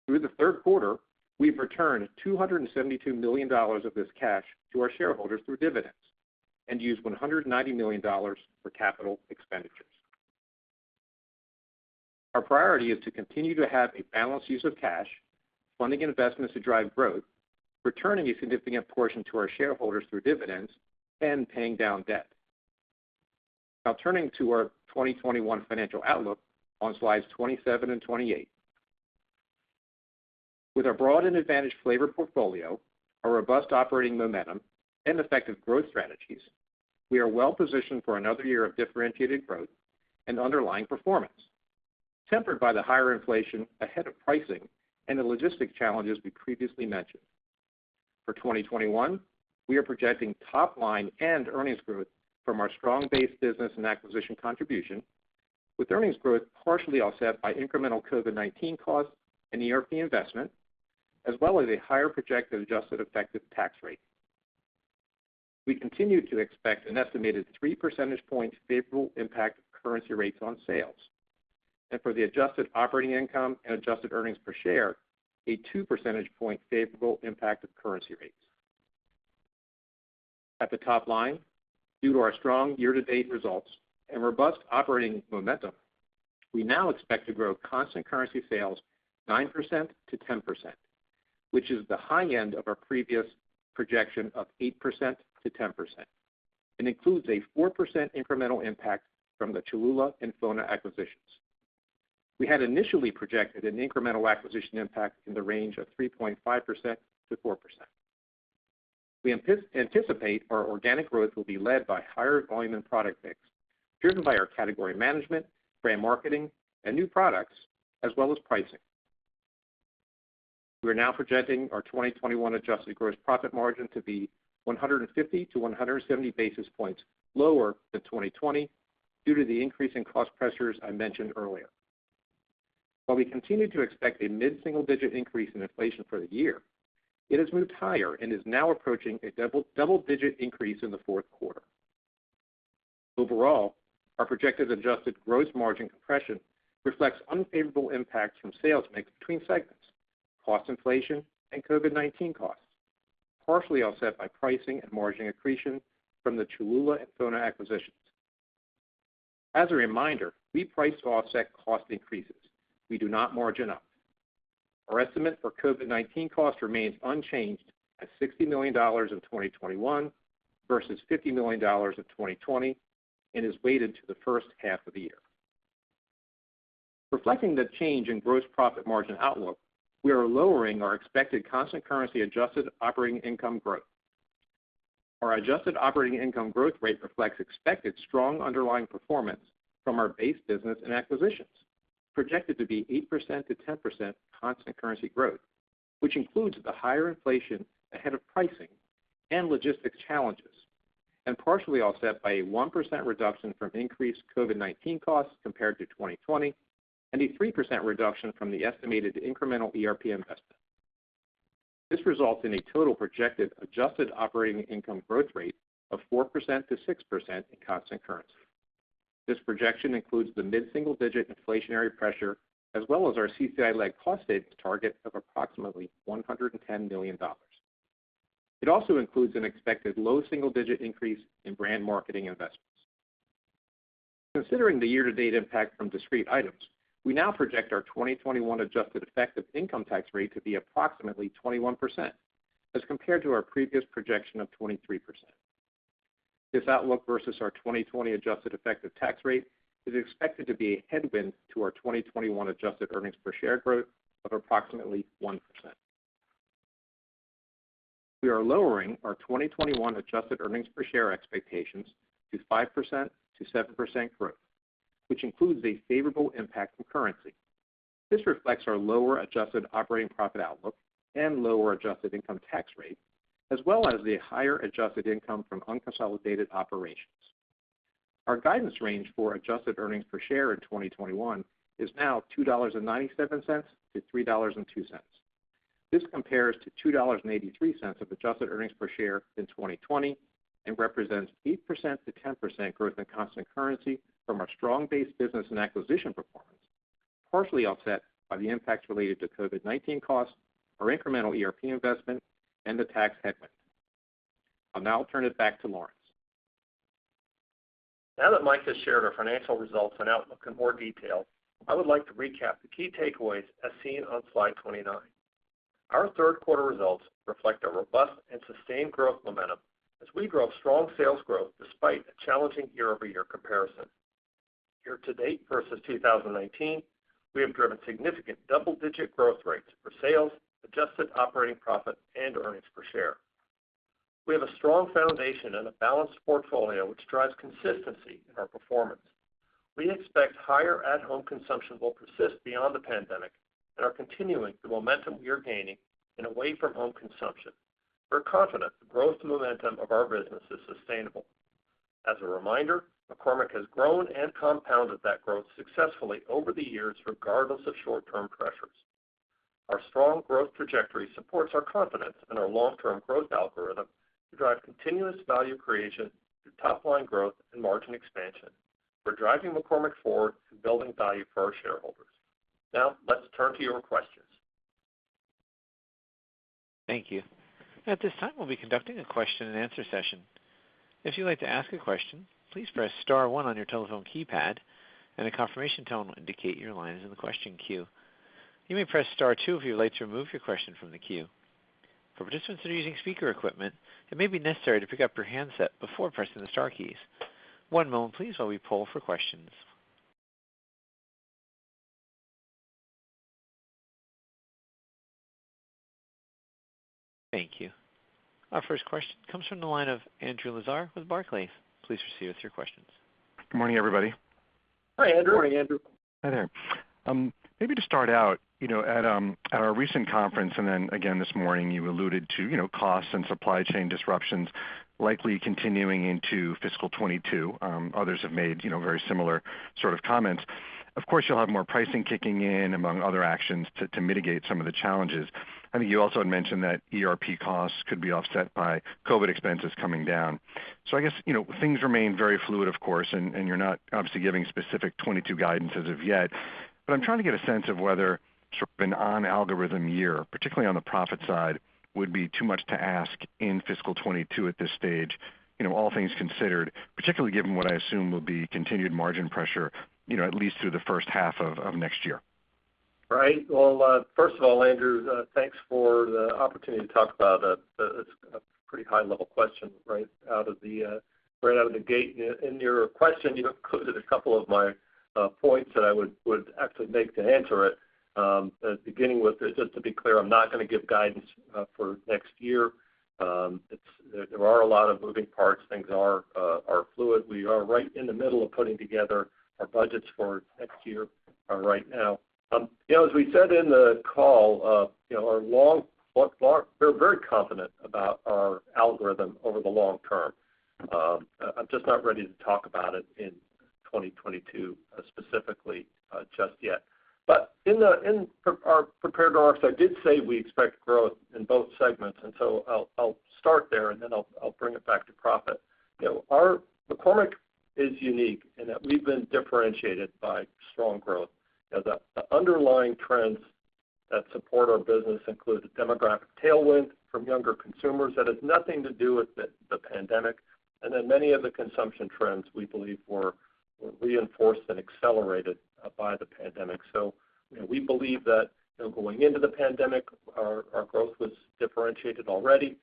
Through the third quarter, we've returned $272 million of this cash to our shareholders through dividends and used $190 million for capital expenditures. Our priority is to continue to have a balanced use of cash, funding investments to drive growth, returning a significant portion to our shareholders through dividends, and paying down debt. Turning to our 2021 financial outlook on slides 27 and 28. Our broad and advantage flavor portfolio, our robust operating momentum, and effective growth strategies, we are well positioned for another year of differentiated growth and underlying performance, tempered by the higher inflation ahead of pricing and the logistic challenges we previously mentioned. 2021, we are projecting top line and earnings growth from our strong base business and acquisition contribution, with earnings growth partially offset by incremental COVID-19 costs and ERP investment, as well as a higher projected adjusted effective tax rate. We continue to expect an estimated 3 percentage points favorable impact of currency rates on sales, and for the adjusted operating income and adjusted earnings per share, a 2 percentage point favorable impact of currency rates. At the top line, due to our strong year-to-date results and robust operating momentum, we now expect to grow constant currency sales 9%-10%, which is the high end of our previous projection of 8%-10%, and includes a 4% incremental impact from the Cholula and FONA acquisitions. We had initially projected an incremental acquisition impact in the range of 3.5%-4%. We anticipate our organic growth will be led by higher volume and product mix, driven by our category management, brand marketing, and new products, as well as pricing. We are now projecting our 2021 adjusted gross profit margin to be 150 basis points to 170 basis points lower than 2020 due to the increasing cost pressures I mentioned earlier. While we continue to expect a mid-single-digit increase in inflation for the year, it has moved higher and is now approaching a double-digit increase in the fourth quarter. Overall, our projected adjusted gross margin compression reflects unfavorable impacts from sales mix between segments, cost inflation, and COVID-19 costs, partially offset by pricing and margin accretion from the Cholula and FONA acquisitions. As a reminder, we price to offset cost increases. We do not margin up. Our estimate for COVID-19 costs remains unchanged at $60 million in 2021 versus $50 million in 2020 and is weighted to the first half of the year. Reflecting the change in gross profit margin outlook, we are lowering our expected constant currency adjusted operating income growth. Our adjusted operating income growth rate reflects expected strong underlying performance from our base business and acquisitions, projected to be 8%-10% constant currency growth, which includes the higher inflation ahead of pricing and logistic challenges, and partially offset by a 1% reduction from increased COVID-19 costs compared to 2020 and a 3% reduction from the estimated incremental ERP investment. This results in a total projected adjusted operating income growth rate of 4%-6% in constant currency. This projection includes the mid-single-digit inflationary pressure as well as our CCI-led cost savings target of approximately $110 million. It also includes an expected low single-digit increase in brand marketing investments. Considering the year-to-date impact from discrete items, we now project our 2021 adjusted effective income tax rate to be approximately 21% as compared to our previous projection of 23%. This outlook versus our 2020 adjusted effective tax rate is expected to be a headwind to our 2021 adjusted earnings per share growth of approximately 1%. We are lowering our 2021 adjusted earnings per share expectations to 5%-7% growth, which includes a favorable impact from currency. This reflects our lower adjusted operating profit outlook and lower adjusted income tax rate, as well as the higher adjusted income from unconsolidated operations. Our guidance range for adjusted earnings per share in 2021 is now $2.97-$3.02. This compares to $2.83 of adjusted earnings per share in 2020 and represents 8%-10% growth in constant currency from our strong base business and acquisition performance, partially offset by the impacts related to COVID-19 costs, our incremental ERP investment, and the tax headwind. I'll now turn it back to Lawrence. Now that Mike has shared our financial results and outlook in more detail, I would like to recap the key takeaways as seen on slide 29. Our third quarter results reflect a robust and sustained growth momentum as we drove strong sales growth despite a challenging year-over-year comparison. Year-to-date versus 2019, we have driven significant double-digit growth rates for sales, adjusted operating profit, and earnings per share. We have a strong foundation and a balanced portfolio which drives consistency in our performance. We expect higher at-home consumption will persist beyond the pandemic and are continuing the momentum we are gaining in away-from-home consumption. We're confident the growth momentum of our business is sustainable. As a reminder, McCormick has grown and compounded that growth successfully over the years, regardless of short-term pressures. Our strong growth trajectory supports our confidence in our long-term growth algorithm to drive continuous value creation through top line growth and margin expansion. We're driving McCormick forward and building value for our shareholders. Now, let's turn to your questions. Thank you. At this time, we'll be conducting a question and answer session. If you'd like to ask a question, please press star one on your telephone keypad, and a confirmation tone will indicate your line is in the question queue. You may press star two if you would like to remove your question from the queue. For participants that are using speaker equipment, it may be necessary to pick up your handset before pressing the star keys. One moment please while we poll for questions. Thank you. Our first question comes from the line of Andrew Lazar with Barclays. Please proceed with your questions. Good morning, everybody. Hi, Andrew. Good morning, Andrew. Hi there. Maybe to start out, at our recent conference, and then again this morning, you alluded to costs and supply chain disruptions likely continuing into fiscal 2022. Others have made very similar sort of comments. Of course, you'll have more pricing kicking in, among other actions, to mitigate some of the challenges. I think you also had mentioned that ERP costs could be offset by COVID-19 expenses coming down. I guess, things remain very fluid, of course, and you're not obviously giving specific 2022 guidance as of yet, but I'm trying to get a sense of whether sort of an on-algorithm year, particularly on the profit side, would be too much to ask in fiscal 2022 at this stage, all things considered, particularly given what I assume will be continued margin pressure, at least through the first half of next year. Right. Well, first of all, Andrew, thanks for the opportunity to talk about that. That's a pretty high level question right out of the gate. In your question, you included a couple of my points that I would actually make to answer it. Beginning with, just to be clear, I'm not going to give guidance for next year. There are a lot of moving parts. Things are fluid. We are right in the middle of putting together our budgets for next year right now. As we said in the call, we're very confident about our algorithm over the long term. I'm just not ready to talk about it in 2022 specifically just yet. In our prepared remarks, I did say we expect growth in both segments, and so I'll start there and then I'll bring it back to profit. McCormick is unique in that we've been differentiated by strong growth. The underlying trends that support our business include the demographic tailwind from younger consumers that has nothing to do with the pandemic, and then many of the consumption trends we believe were reinforced and accelerated by the pandemic. We believe that going into the pandemic, our growth was differentiated already.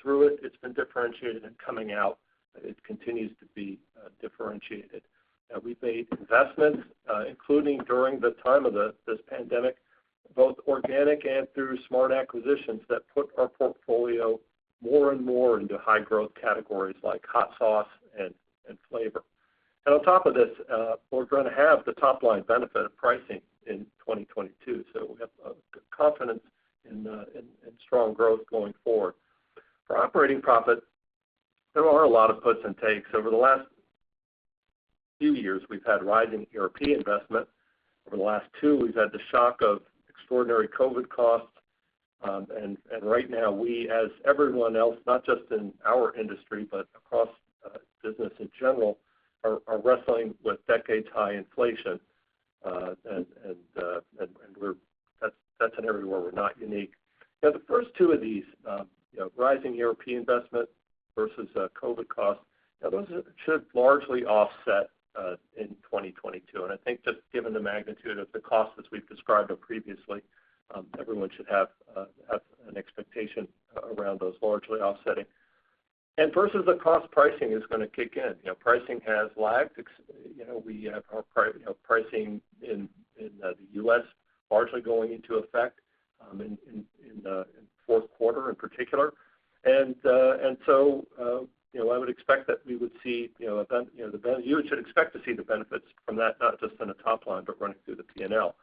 Through it's been differentiated, and coming out, it continues to be differentiated. We've made investments, including during the time of this pandemic, both organic and through smart acquisitions that put our portfolio more and more into high growth categories like hot sauce and flavor. On top of this, we're going to have the top-line benefit of pricing in 2022, so we have confidence in strong growth going forward. For operating profit, there are a lot of puts and takes. Over the last few years, we've had rising ERP investment. Over the last two, we've had the shock of extraordinary COVID costs. Right now, we, as everyone else, not just in our industry, but across business in general, are wrestling with decades-high inflation. That's in everywhere. We're not unique. The first two of these, rising ERP investment versus COVID costs, those should largely offset in 2022. I think just given the magnitude of the costs as we've described them previously, everyone should have an expectation around those largely offsetting. Versus the cost pricing is going to kick in. Pricing has lagged. We have our pricing in the U.S. largely going into effect in the fourth quarter, in particular. I would expect that you should expect to see the benefits from that, not just in the top line, but running through the P&L.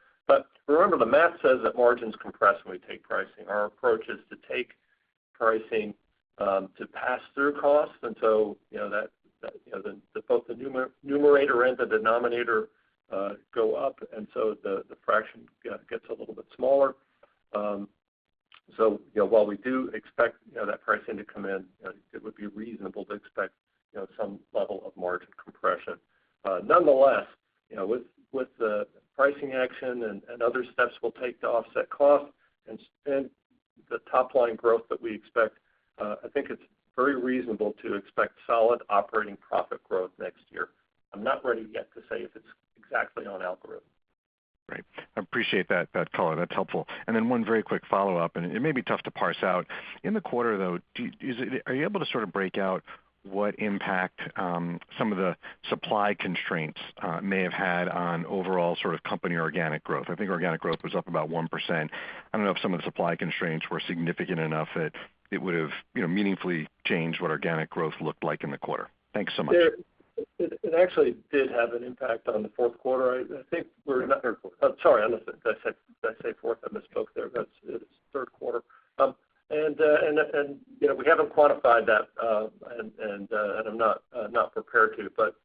Remember, the math says that margins compress when we take pricing. Our approach is to take pricing to pass through costs, both the numerator and the denominator go up, the fraction gets a little bit smaller. While we do expect that pricing to come in, it would be reasonable to expect some level of margin compression. Nonetheless, with the pricing action and other steps we'll take to offset costs and the top-line growth that we expect, I think it's very reasonable to expect solid operating profit growth next year. I'm not ready yet to say if it's exactly on algorithm. Great. I appreciate that color. That's helpful. Then one very quick follow-up, and it may be tough to parse out. In the quarter, though, are you able to sort of break out what impact some of the supply constraints may have had on overall company organic growth? I think organic growth was up about 1%. I don't know if some of the supply constraints were significant enough that it would have meaningfully changed what organic growth looked like in the quarter. Thanks so much. It actually did have an impact on the fourth quarter. Third quarter. Sorry, did I say fourth? I misspoke there, but it's third quarter. We haven't quantified that, and I'm not prepared to, but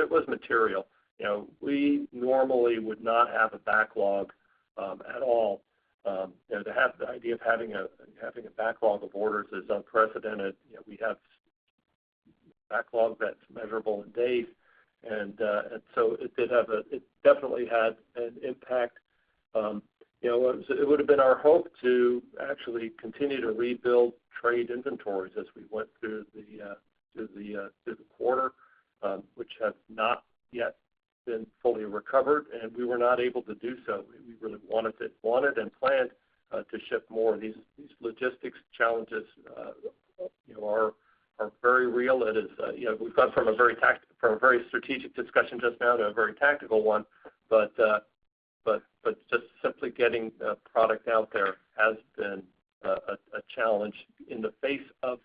it was material. We normally would not have a backlog at all. The idea of having a backlog of orders is unprecedented. We have backlog that's measurable in days. It definitely had an impact. It would've been our hope to actually continue to rebuild trade inventories as we went through the quarter, which has not yet been fully recovered, and we were not able to do so. We really wanted and planned to ship more. These logistics challenges are very real. We've gone from a very strategic discussion just now to a very tactical one, but just simply getting product out there has been a challenge in the face of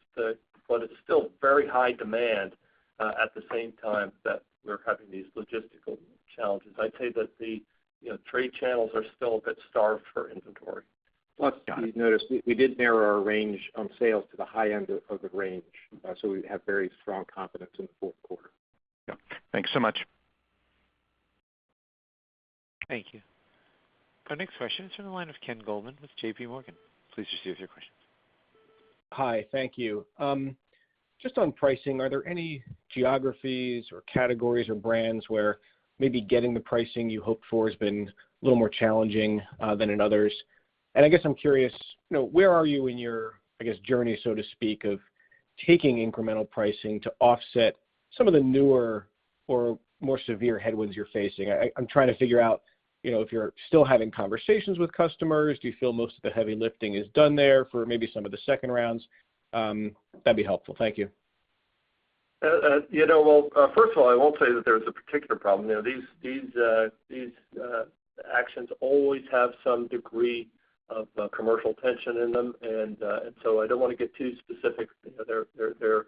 what is still very high demand at the same time that we're having these logistical challenges. I'd say that the trade channels are still a bit starved for inventory. Plus, you notice, we did narrow our range on sales to the high end of the range. We have very strong confidence in the fourth quarter. Yeah. Thanks so much. Thank you. Our next question is from the line of Ken Goldman with JPMorgan. Please proceed with your question. Hi. Thank you. Just on pricing, are there any geographies, or categories, or brands where maybe getting the pricing you hoped for has been a little more challenging than in others? I guess I'm curious, where are you in your journey, so to speak, of taking incremental pricing to offset some of the newer or more severe headwinds you're facing? I'm trying to figure out if you're still having conversations with customers. Do you feel most of the heavy lifting is done there for maybe some of the second rounds? That'd be helpful. Thank you. Well, first of all, I won't say that there was a particular problem. These actions always have some degree of commercial tension in them. I don't want to get too specific. It's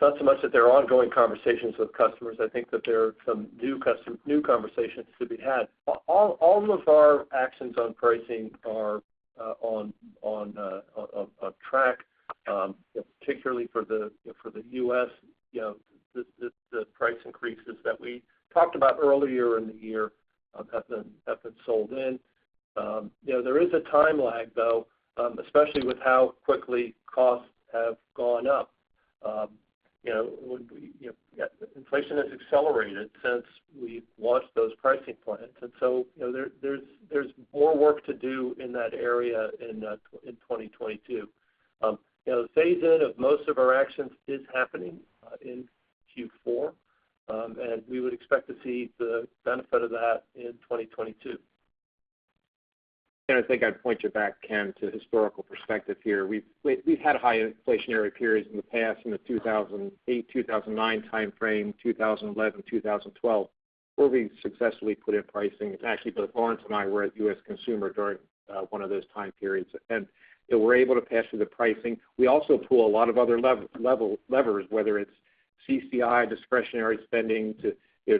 not so much that there are ongoing conversations with customers. I think that there are some new conversations to be had. All of our actions on pricing are on track, particularly for the U.S. The price increases that we talked about earlier in the year have been sold in. There is a time lag, though, especially with how quickly costs have gone up. Inflation has accelerated since we've launched those pricing plans. There's more work to do in that area in 2022. Phase-in of most of our actions is happening in Q4. We would expect to see the benefit of that in 2022. I think I'd point you back, Ken, to historical perspective here. We've had high inflationary periods in the past, in the 2008, 2009 timeframe, 2011, 2012, where we've successfully put in pricing. Actually, both Lawrence and I were at U.S. Consumer during one of those time periods. We were able to pass through the pricing. We also pull a lot of other levers, whether it's CCI discretionary spending to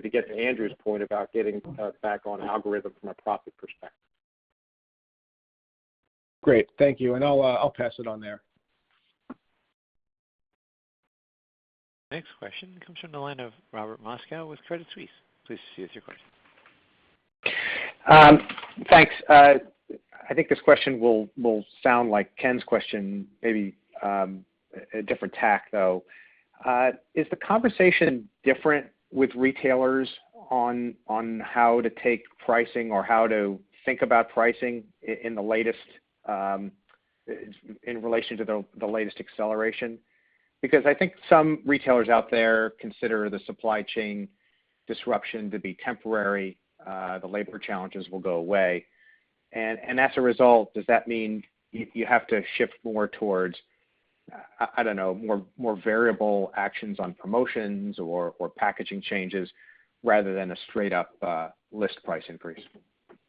get to Andrew's point about getting back on algorithm from a profit perspective. Great. Thank you. I'll pass it on there. Next question comes from the line of Robert Moskow with Credit Suisse. Please proceed with your question. Thanks. I think this question will sound like Ken's question, maybe a different tack, though. Is the conversation different with retailers on how to take pricing or how to think about pricing in relation to the latest acceleration? I think some retailers out there consider the supply chain disruption to be temporary. The labor challenges will go away. As a result, does that mean you have to shift more towards, I don't know, more variable actions on promotions or packaging changes rather than a straight up list price increase?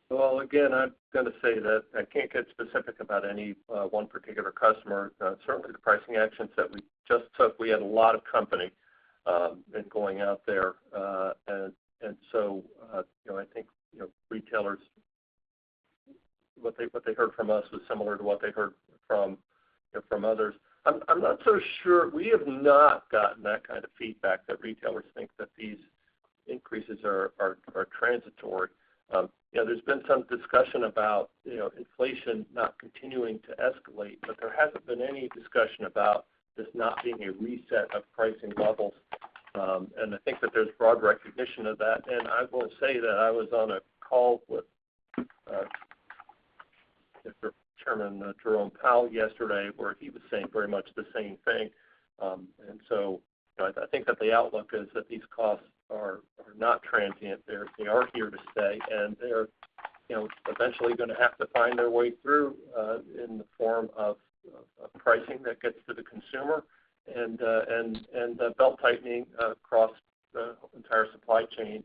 Well, again, I'm going to say that I can't get specific about any one particular customer. Certainly, the pricing actions that we just took, we had a lot of company in going out there. I think, retailers, what they heard from us was similar to what they heard from others. I'm not so sure. We have not gotten that kind of feedback that retailers think that these increases are transitory. There's been some discussion about inflation not continuing to escalate, but there hasn't been any discussion about this not being a reset of pricing levels. I think that there's broad recognition of that. I will say that I was on a call with Chairman Jerome Powell yesterday, where he was saying very much the same thing. I think that the outlook is that these costs are not transient. They are here to stay, and they're eventually going to have to find their way through, in the form of pricing that gets to the consumer and belt-tightening across the entire supply chain,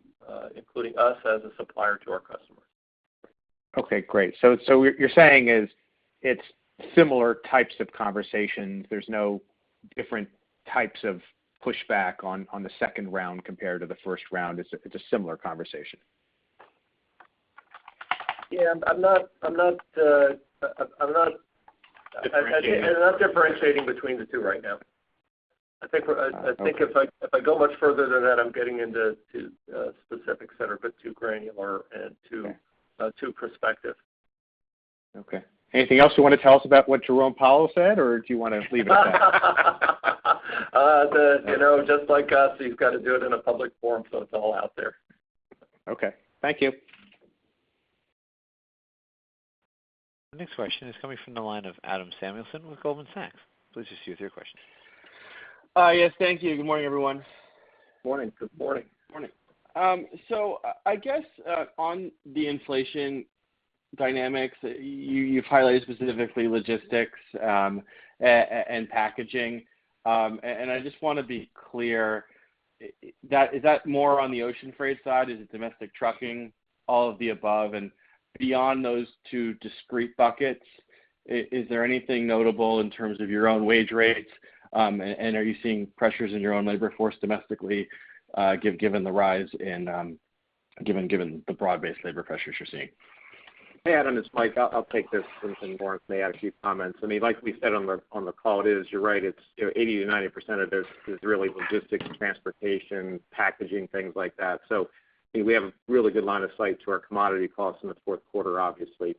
including us as a supplier to our customers. Okay, great. What you're saying is it's similar types of conversations. There's no different types of pushback on the second round compared to the first round. It's a similar conversation. Yeah. I'm not differentiating between the two right now. I think if I go much further than that, I'm getting into specifics that are a bit too granular and too prospective. Okay. Anything else you want to tell us about what Jerome Powell said, or do you want to leave it at that? Just like us, he's got to do it in a public forum. It's all out there. Okay. Thank you. The next question is coming from the line of Adam Samuelson with Goldman Sachs. Please proceed with your question. Yes, thank you. Good morning, everyone. Morning. Good morning. Morning. I guess on the inflation dynamics, you've highlighted specifically logistics and packaging. I just want to be clear, is that more on the ocean freight side? Is it domestic trucking? All of the above? Beyond those two discrete buckets, is there anything notable in terms of your own wage rates? Are you seeing pressures in your own labor force domestically, given the broad-based labor pressures you're seeing? Hey, Adam, it's Mike. I'll take this, and then Lawrence may add a few comments. Like we said on the call, it is, you're right, 80%-90% of this is really logistics, transportation, packaging, things like that. We have a really good line of sight to our commodity costs in the fourth quarter, obviously.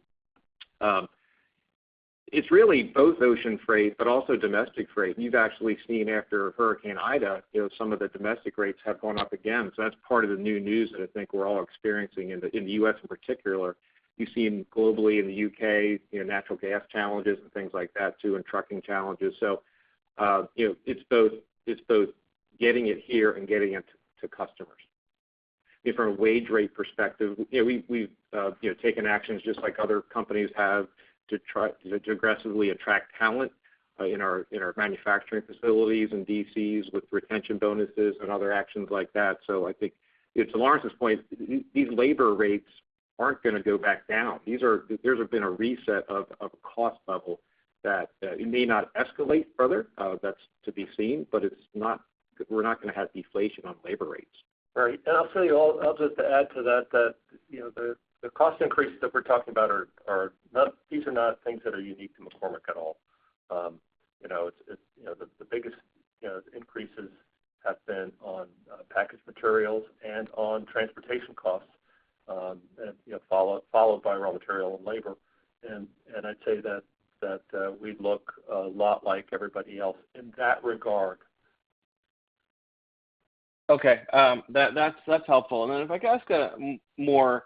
It's really both ocean freight but also domestic freight. You've actually seen after Hurricane Ida, some of the domestic rates have gone up again. That's part of the new news that I think we're all experiencing in the U.S. in particular. You've seen globally in the U.K., natural gas challenges and things like that too, and trucking challenges. It's both getting it here and getting it to customers. From a wage rate perspective, we've taken actions just like other companies have to aggressively attract talent in our manufacturing facilities and DCs with retention bonuses and other actions like that. I think to Lawrence's point, these labor rates aren't going to go back down. There's been a reset of a cost level that it may not escalate further. That's to be seen, but we're not going to have deflation on labor rates. Right. I'll tell you, I'll just add to that, the cost increases that we're talking about, these are not things that are unique to McCormick at all. The biggest increases have been on packaged materials and on transportation costs, followed by raw material and labor. I'd say that we look a lot like everybody else in that regard. Okay. That's helpful. If I could ask a more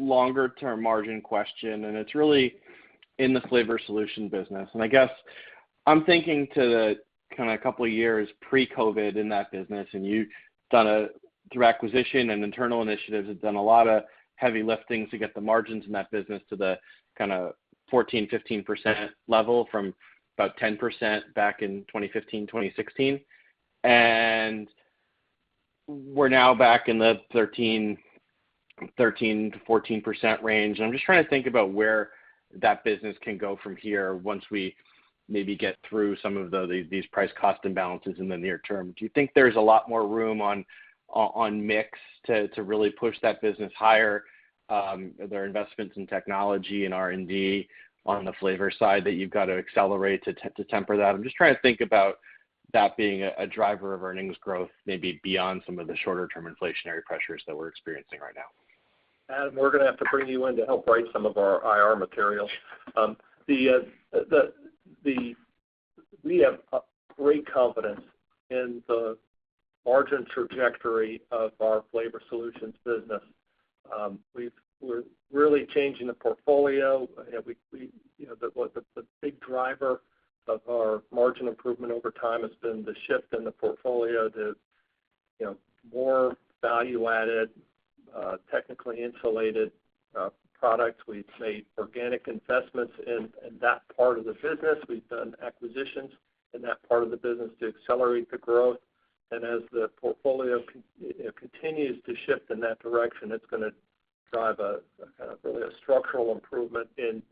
longer term margin question, and it's really in the flavor solution business. I guess I'm thinking to the two years pre-COVID-19 in that business, and you've, through acquisition and internal initiatives, have done a lot of heavy lifting to get the margins in that business to the 14%-15% level from about 10% back in 2015, 2016. We're now back in the 13%-14% range. I'm just trying to think about where that business can go from here once we maybe get through some of these price cost imbalances in the near term. Do you think there's a lot more room on mix to really push that business higher? Are there investments in technology and R&D on the flavor side that you've got to accelerate to temper that? I'm just trying to think about that being a driver of earnings growth, maybe beyond some of the shorter-term inflationary pressures that we're experiencing right now. Adam, we're going to have to bring you in to help write some of our IR materials. We have great confidence in the margin trajectory of our flavor solutions business. We're really changing the portfolio. The big driver of our margin improvement over time has been the shift in the portfolio to more value-added, technically insulated products. We've made organic investments in that part of the business. We've done acquisitions in that part of the business to accelerate the growth. As the portfolio continues to shift in that direction, it's going to drive a kind of really a structural improvement in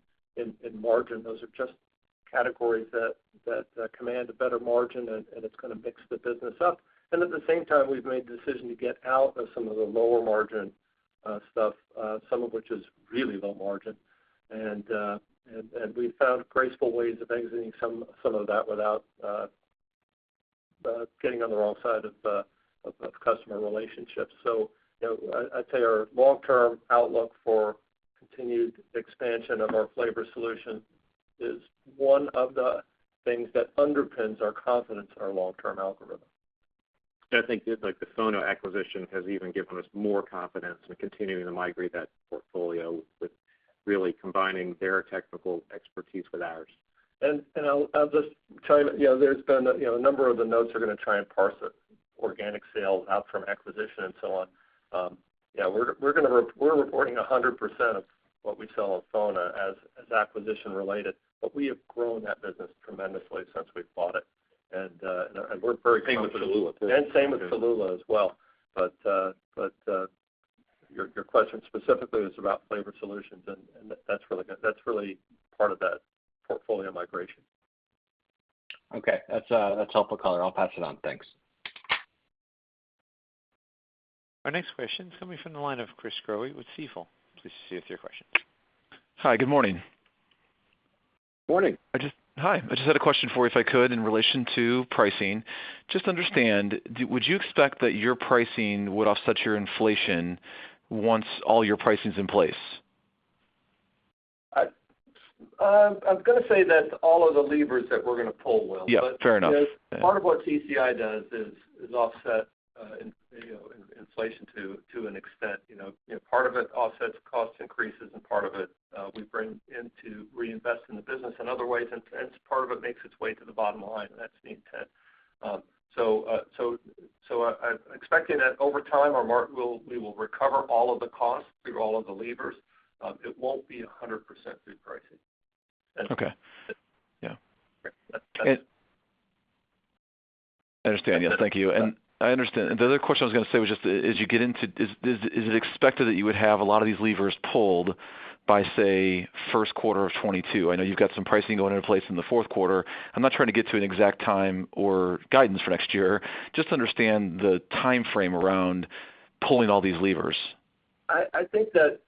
margin. Those are just categories that command a better margin, and it's going to mix the business up. At the same time, we've made the decision to get out of some of the lower margin stuff, some of which is really low margin. We've found graceful ways of exiting some of that without getting on the wrong side of customer relationships. I'd say our long-term outlook for continued expansion of our flavor solution is one of the things that underpins our confidence in our long-term algorithm. I think the FONA acquisition has even given us more confidence in continuing to migrate that portfolio with really combining their technical expertise with ours. I'll just chime in. A number of the notes are going to try and parse organic sales out from acquisition and so on. We're reporting 100% of what we sell of FONA as acquisition related, but we have grown that business tremendously since we've bought it. Same with Cholula, too. Same with Cholula as well. Your question specifically was about flavor solutions, and that's really part of that portfolio migration. Okay. That's helpful color. I'll pass it on, thanks. Our next question is coming from the line of Chris Growe with Stifel. Please proceed with your question. Hi, good morning. Morning. Hi. I just had a question for you, if I could, in relation to pricing. Just to understand, would you expect that your pricing would offset your inflation once all your pricing's in place? I was going to say that all of the levers that we're going to pull will. Yeah. Fair enough. Part of what CCI does is offset inflation to an extent. Part of it offsets cost increases and part of it we bring in to reinvest in the business in other ways, and part of it makes its way to the bottom line, and that's the intent. I'm expecting that over time, we will recover all of the costs through all of the levers. It won't be 100% through pricing. Okay. Yeah. I understand. Yeah. Thank you. I understand. The other question I was going to say was just, is it expected that you would have a lot of these levers pulled by, say, first quarter of 2022? I know you've got some pricing going into place in the fourth quarter. I am not trying to get to an exact time or guidance for next year, just to understand the timeframe around pulling all these levers. I think that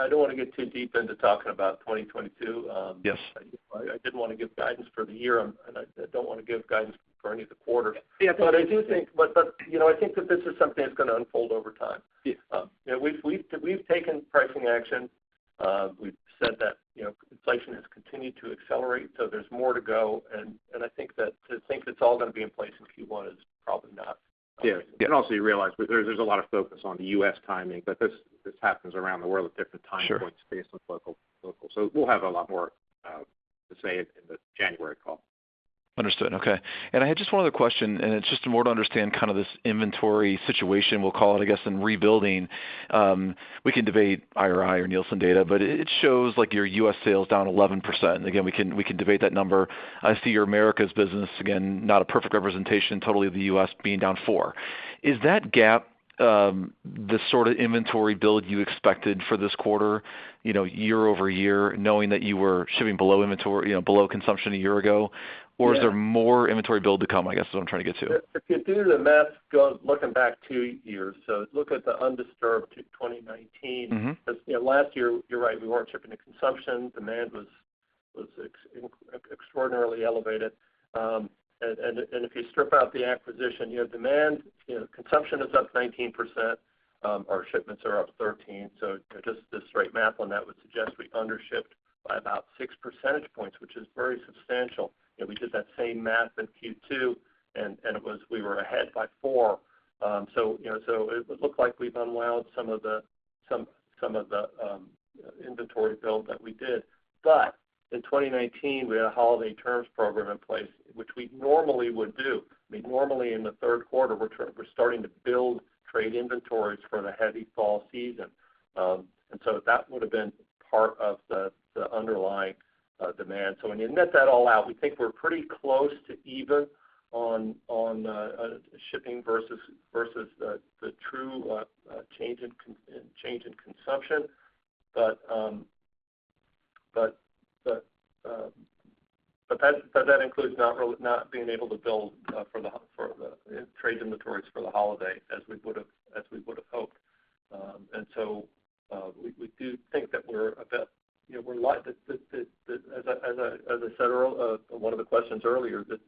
I don't want to get too deep into talking about 2022. Yes. I didn't want to give guidance for the year, and I don't want to give guidance for any of the quarters. Yeah. I think that this is something that's going to unfold over time. Yeah. We've taken pricing action. We've said that inflation has continued to accelerate. There's more to go. I think that to think that it's all going to be in place in Q1 is probably not realistic. Yeah. Also, you realize there's a lot of focus on the U.S. timing, but this happens around the world at different time points. Sure based on local. We'll have a lot more to say in the January call. Understood. Okay. I had just one other question, and it is just more to understand this inventory situation, we will call it, I guess, in rebuilding. We can debate IRI or Nielsen data, but it shows your U.S. sales down 11%. Again, we can debate that number. I see your Americas business, again, not a perfect representation totally of the U.S., being down 4. Is that gap the sort of inventory build you expected for this quarter, year-over-year, knowing that you were shipping below consumption a year ago? Yeah. Is there more inventory build to come, I guess, is what I'm trying to get to? If you do the math looking back two years, so look at the undisturbed 2019. Last year, you're right, we weren't shipping to consumption. Demand was extraordinarily elevated. If you strip out the acquisition, demand consumption is up 19%. Our shipments are up 13%. Just the straight math on that would suggest we undershipped by about 6 percentage points, which is very substantial. If we did that same math in Q2, and we were ahead by 4 percentage points. It would look like we've unwound some of the inventory build that we did. In 2019, we had a holiday terms program in place, which we normally would do. Normally in the third quarter, we're starting to build trade inventories for the heavy fall season. That would've been part of the underlying demand. When you net that all out, we think we're pretty close to even on shipping versus the true change in consumption. That includes not being able to build for the trade inventories for the holiday as we would've hoped. We do think that, as I said, one of the questions earlier, the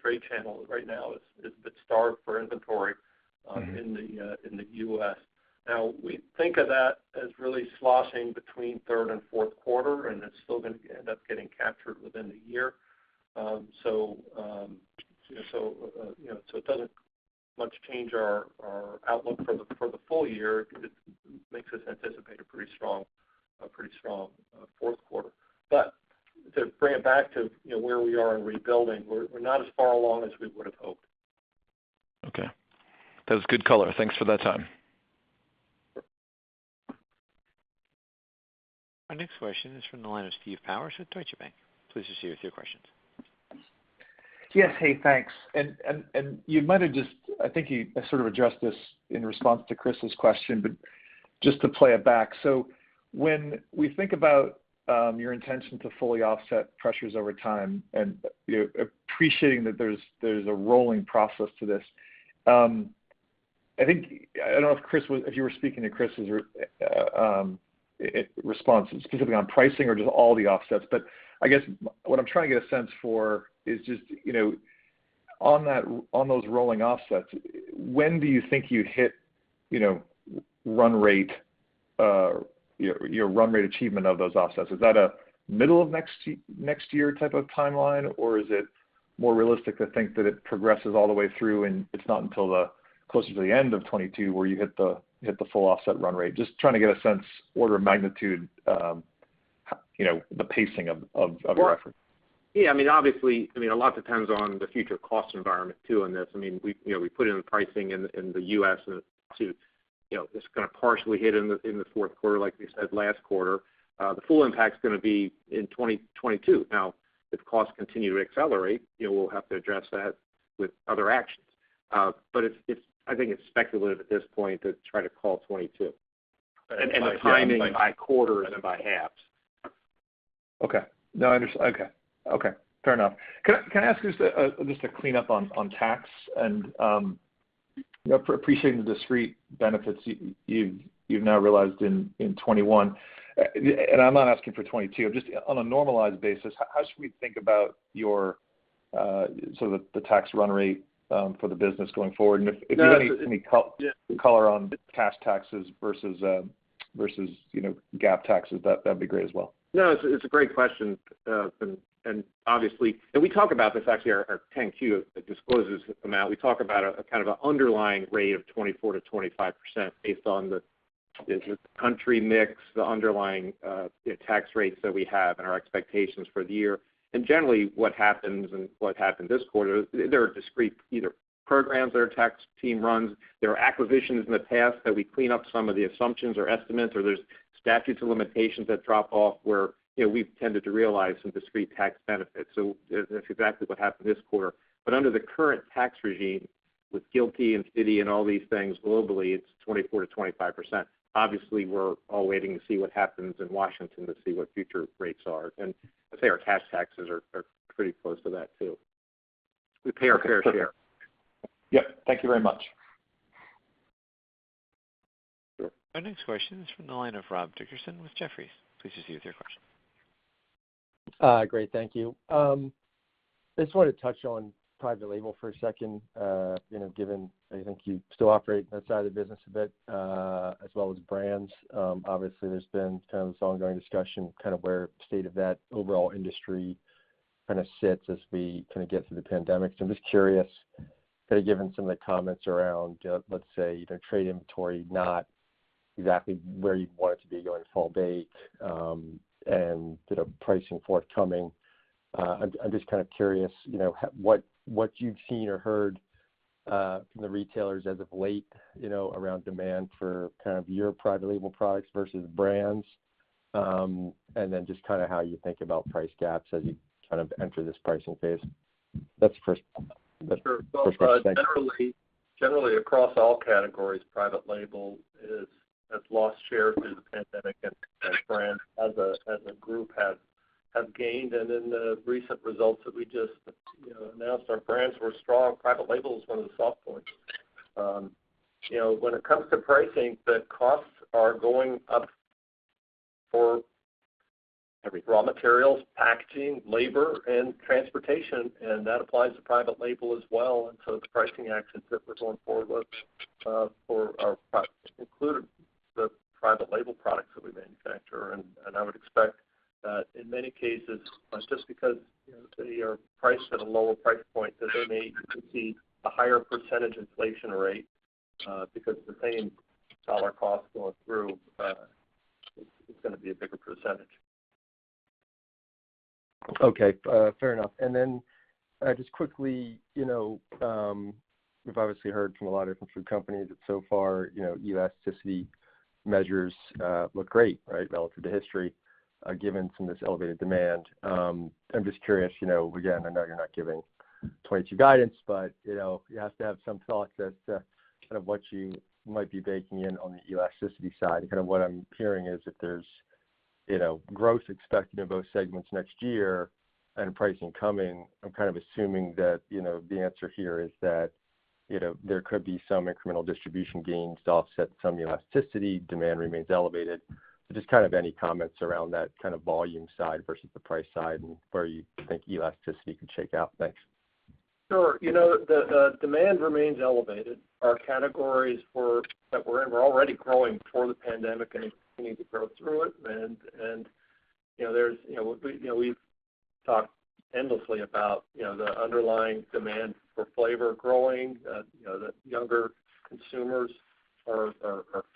trade channel right now is a bit starved for inventory. in the U.S. We think of that as really sloshing between third and fourth quarter, and it's still going to end up getting captured within the year. It doesn't much change our outlook for the full year. It makes us anticipate a pretty strong fourth quarter. To bring it back to where we are in rebuilding, we're not as far along as we would've hoped. Okay. That was good color. Thanks for that time. Our next question is from the line of Steve Powers with Deutsche Bank. Please proceed with your questions. Yes. Hey, thanks. You might have just, I think you sort of addressed this in response to Chris Growe's question, just to play it back. When we think about your intention to fully offset pressures over time and appreciating that there's a rolling process to this, I don't know if you were speaking to Chris Growe's response specifically on pricing or just all the offsets, I guess what I'm trying to get a sense for is just on those rolling offsets, when do you think you'd hit your run rate achievement of those offsets? Is that a middle of next year type of timeline, or is it more realistic to think that it progresses all the way through and it's not until closer to the end of 2022 where you hit the full offset run rate? Just trying to get a sense, order of magnitude, the pacing of your effort. Yeah. Obviously, a lot depends on the future cost environment, too, in this. We put in the pricing in the U.S., it's going to partially hit in the fourth quarter, like we said last quarter. The full impact's going to be in 2022. If costs continue to accelerate, we'll have to address that with other actions. I think it's speculative at this point to try to call 2022. The timing by quarters and by halves. Okay. No, I understand. Okay. Fair enough. Can I ask just to clean up on tax Yeah. Appreciating the discrete benefits you've now realized in 2021, and I'm not asking for 2022, just on a normalized basis, how should we think about your sort of the tax run rate for the business going forward? If you have any color on cash taxes versus GAAP taxes, that'd be great as well. No, it's a great question. Obviously, and we talk about this, actually our 10-Q discloses the amount. We talk about a kind of underlying rate of 24%-25% based on the country mix, the underlying tax rates that we have, and our expectations for the year. Generally, what happens and what happened this quarter, there are discrete either programs that our tax team runs, there are acquisitions in the past that we clean up some of the assumptions or estimates, or there's statutes of limitations that drop off where we've tended to realize some discrete tax benefits. That's exactly what happened this quarter. Under the current tax regime with GILTI and FDII and all these things globally, it's 24%-25%. Obviously, we're all waiting to see what happens in Washington to see what future rates are. I'd say our cash taxes are pretty close to that, too. We pay our fair share. Yep. Thank you very much. Our next question is from the line of Rob Dickerson with Jefferies. Please proceed with your question. Great. Thank you. I just wanted to touch on private label for a second, given I think you still operate that side of the business a bit, as well as brands. Obviously, there's been kind of this ongoing discussion kind of where state of that overall industry kind of sits as we kind of get through the pandemic. I'm just curious, kind of given some of the comments around, let's say, either trade inventory not exactly where you'd want it to be going fall date, and sort of pricing forthcoming, I'm just kind of curious what you've seen or heard from the retailers as of late around demand for kind of your private label products versus brands, and then just kind of how you think about price gaps as you kind of enter this pricing phase. That's the first one. Sure. Thanks. Well, generally, across all categories, private label has lost share through the pandemic and brands as a group have gained. In the recent results that we just announced, our brands were strong. Private label is one of the soft points. When it comes to pricing, the costs are going up for raw materials, packaging, labor, and transportation, and that applies to private label as well. The pricing actions that we're going forward with for our products include the private label products that we manufacture. I would expect that in many cases, just because they are priced at a lower price point, that they may see a higher percent of inflation rate, because the same dollar cost going through, it's going to be a bigger percent. Okay. Fair enough. Just quickly, we've obviously heard from a lot of different food companies that so far, elasticity measures look great, right, relative to history, given some of this elevated demand. I'm just curious, again, I know you're not giving 2022 guidance, but you have to have some thoughts as to kind of what you might be baking in on the elasticity side. Kind of what I'm hearing is if there's growth expected in both segments next year and pricing coming, I'm kind of assuming that the answer here is that there could be some incremental distribution gains to offset some elasticity. Demand remains elevated. Just kind of any comments around that kind of volume side versus the price side and where you think elasticity could shake out. Thanks. Sure. The demand remains elevated. Our categories that we're in were already growing before the pandemic and continuing to grow through it. We've talked endlessly about the underlying demand for flavor growing, that younger consumers are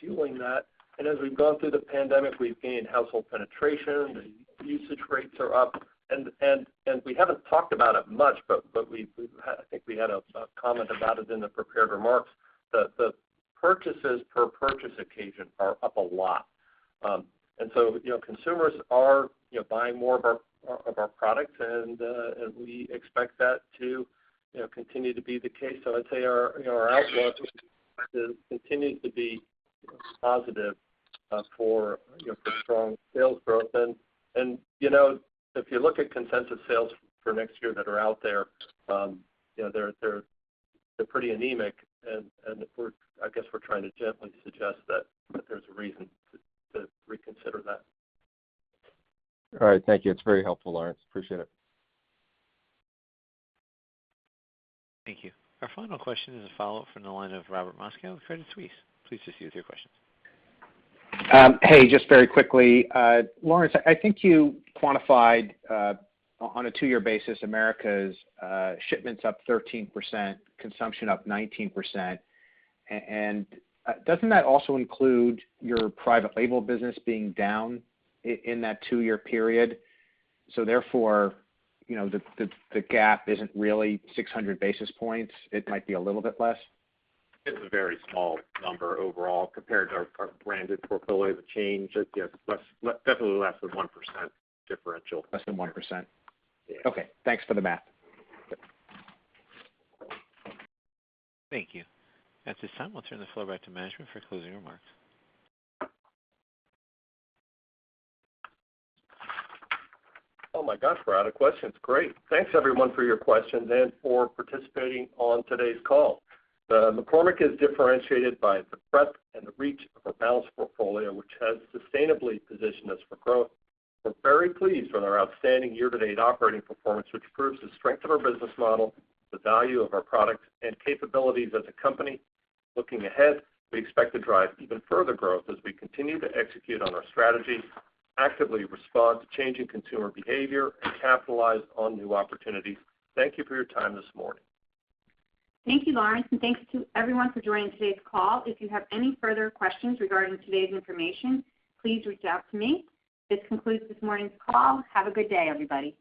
fueling that. As we've gone through the pandemic, we've gained household penetration, the usage rates are up, and we haven't talked about it much, but I think we had a comment about it in the prepared remarks, the purchases per purchase occasion are up a lot. Consumers are buying more of our products, and we expect that to continue to be the case. I'd say our outlook continues to be positive for strong sales growth. If you look at consensus sales for next year that are out there, they're pretty anemic, and I guess we're trying to gently suggest that there's a reason to reconsider that. All right. Thank you. It's very helpful, Lawrence. Appreciate it. Thank you. Our final question is a follow-up from the line of Robert Moskow with Credit Suisse. Please proceed with your question. Hey, just very quickly. Lawrence, I think you quantified on a two-year basis Americas shipments up 13%, consumption up 19%, and doesn't that also include your private label business being down in that two-year period? Therefore, the gap isn't really 600 basis points. It might be a little bit less? It's a very small number overall compared to our branded portfolio. The change is definitely less than 1% differential. Less than 1%? Yeah. Okay. Thanks for the math. Yep. Thank you. At this time, we'll turn the floor back to management for closing remarks. Oh my gosh, we're out of questions. Great. Thanks everyone for your questions and for participating on today's call. McCormick is differentiated by the breadth and the reach of our balanced portfolio, which has sustainably positioned us for growth. We're very pleased with our outstanding year-to-date operating performance, which proves the strength of our business model, the value of our products, and capabilities as a company. Looking ahead, we expect to drive even further growth as we continue to execute on our strategy, actively respond to changing consumer behavior, and capitalize on new opportunities. Thank you for your time this morning. Thank you, Lawrence, and thanks to everyone for joining today's call. If you have any further questions regarding today's information, please reach out to me. This concludes this morning's call. Have a good day, everybody.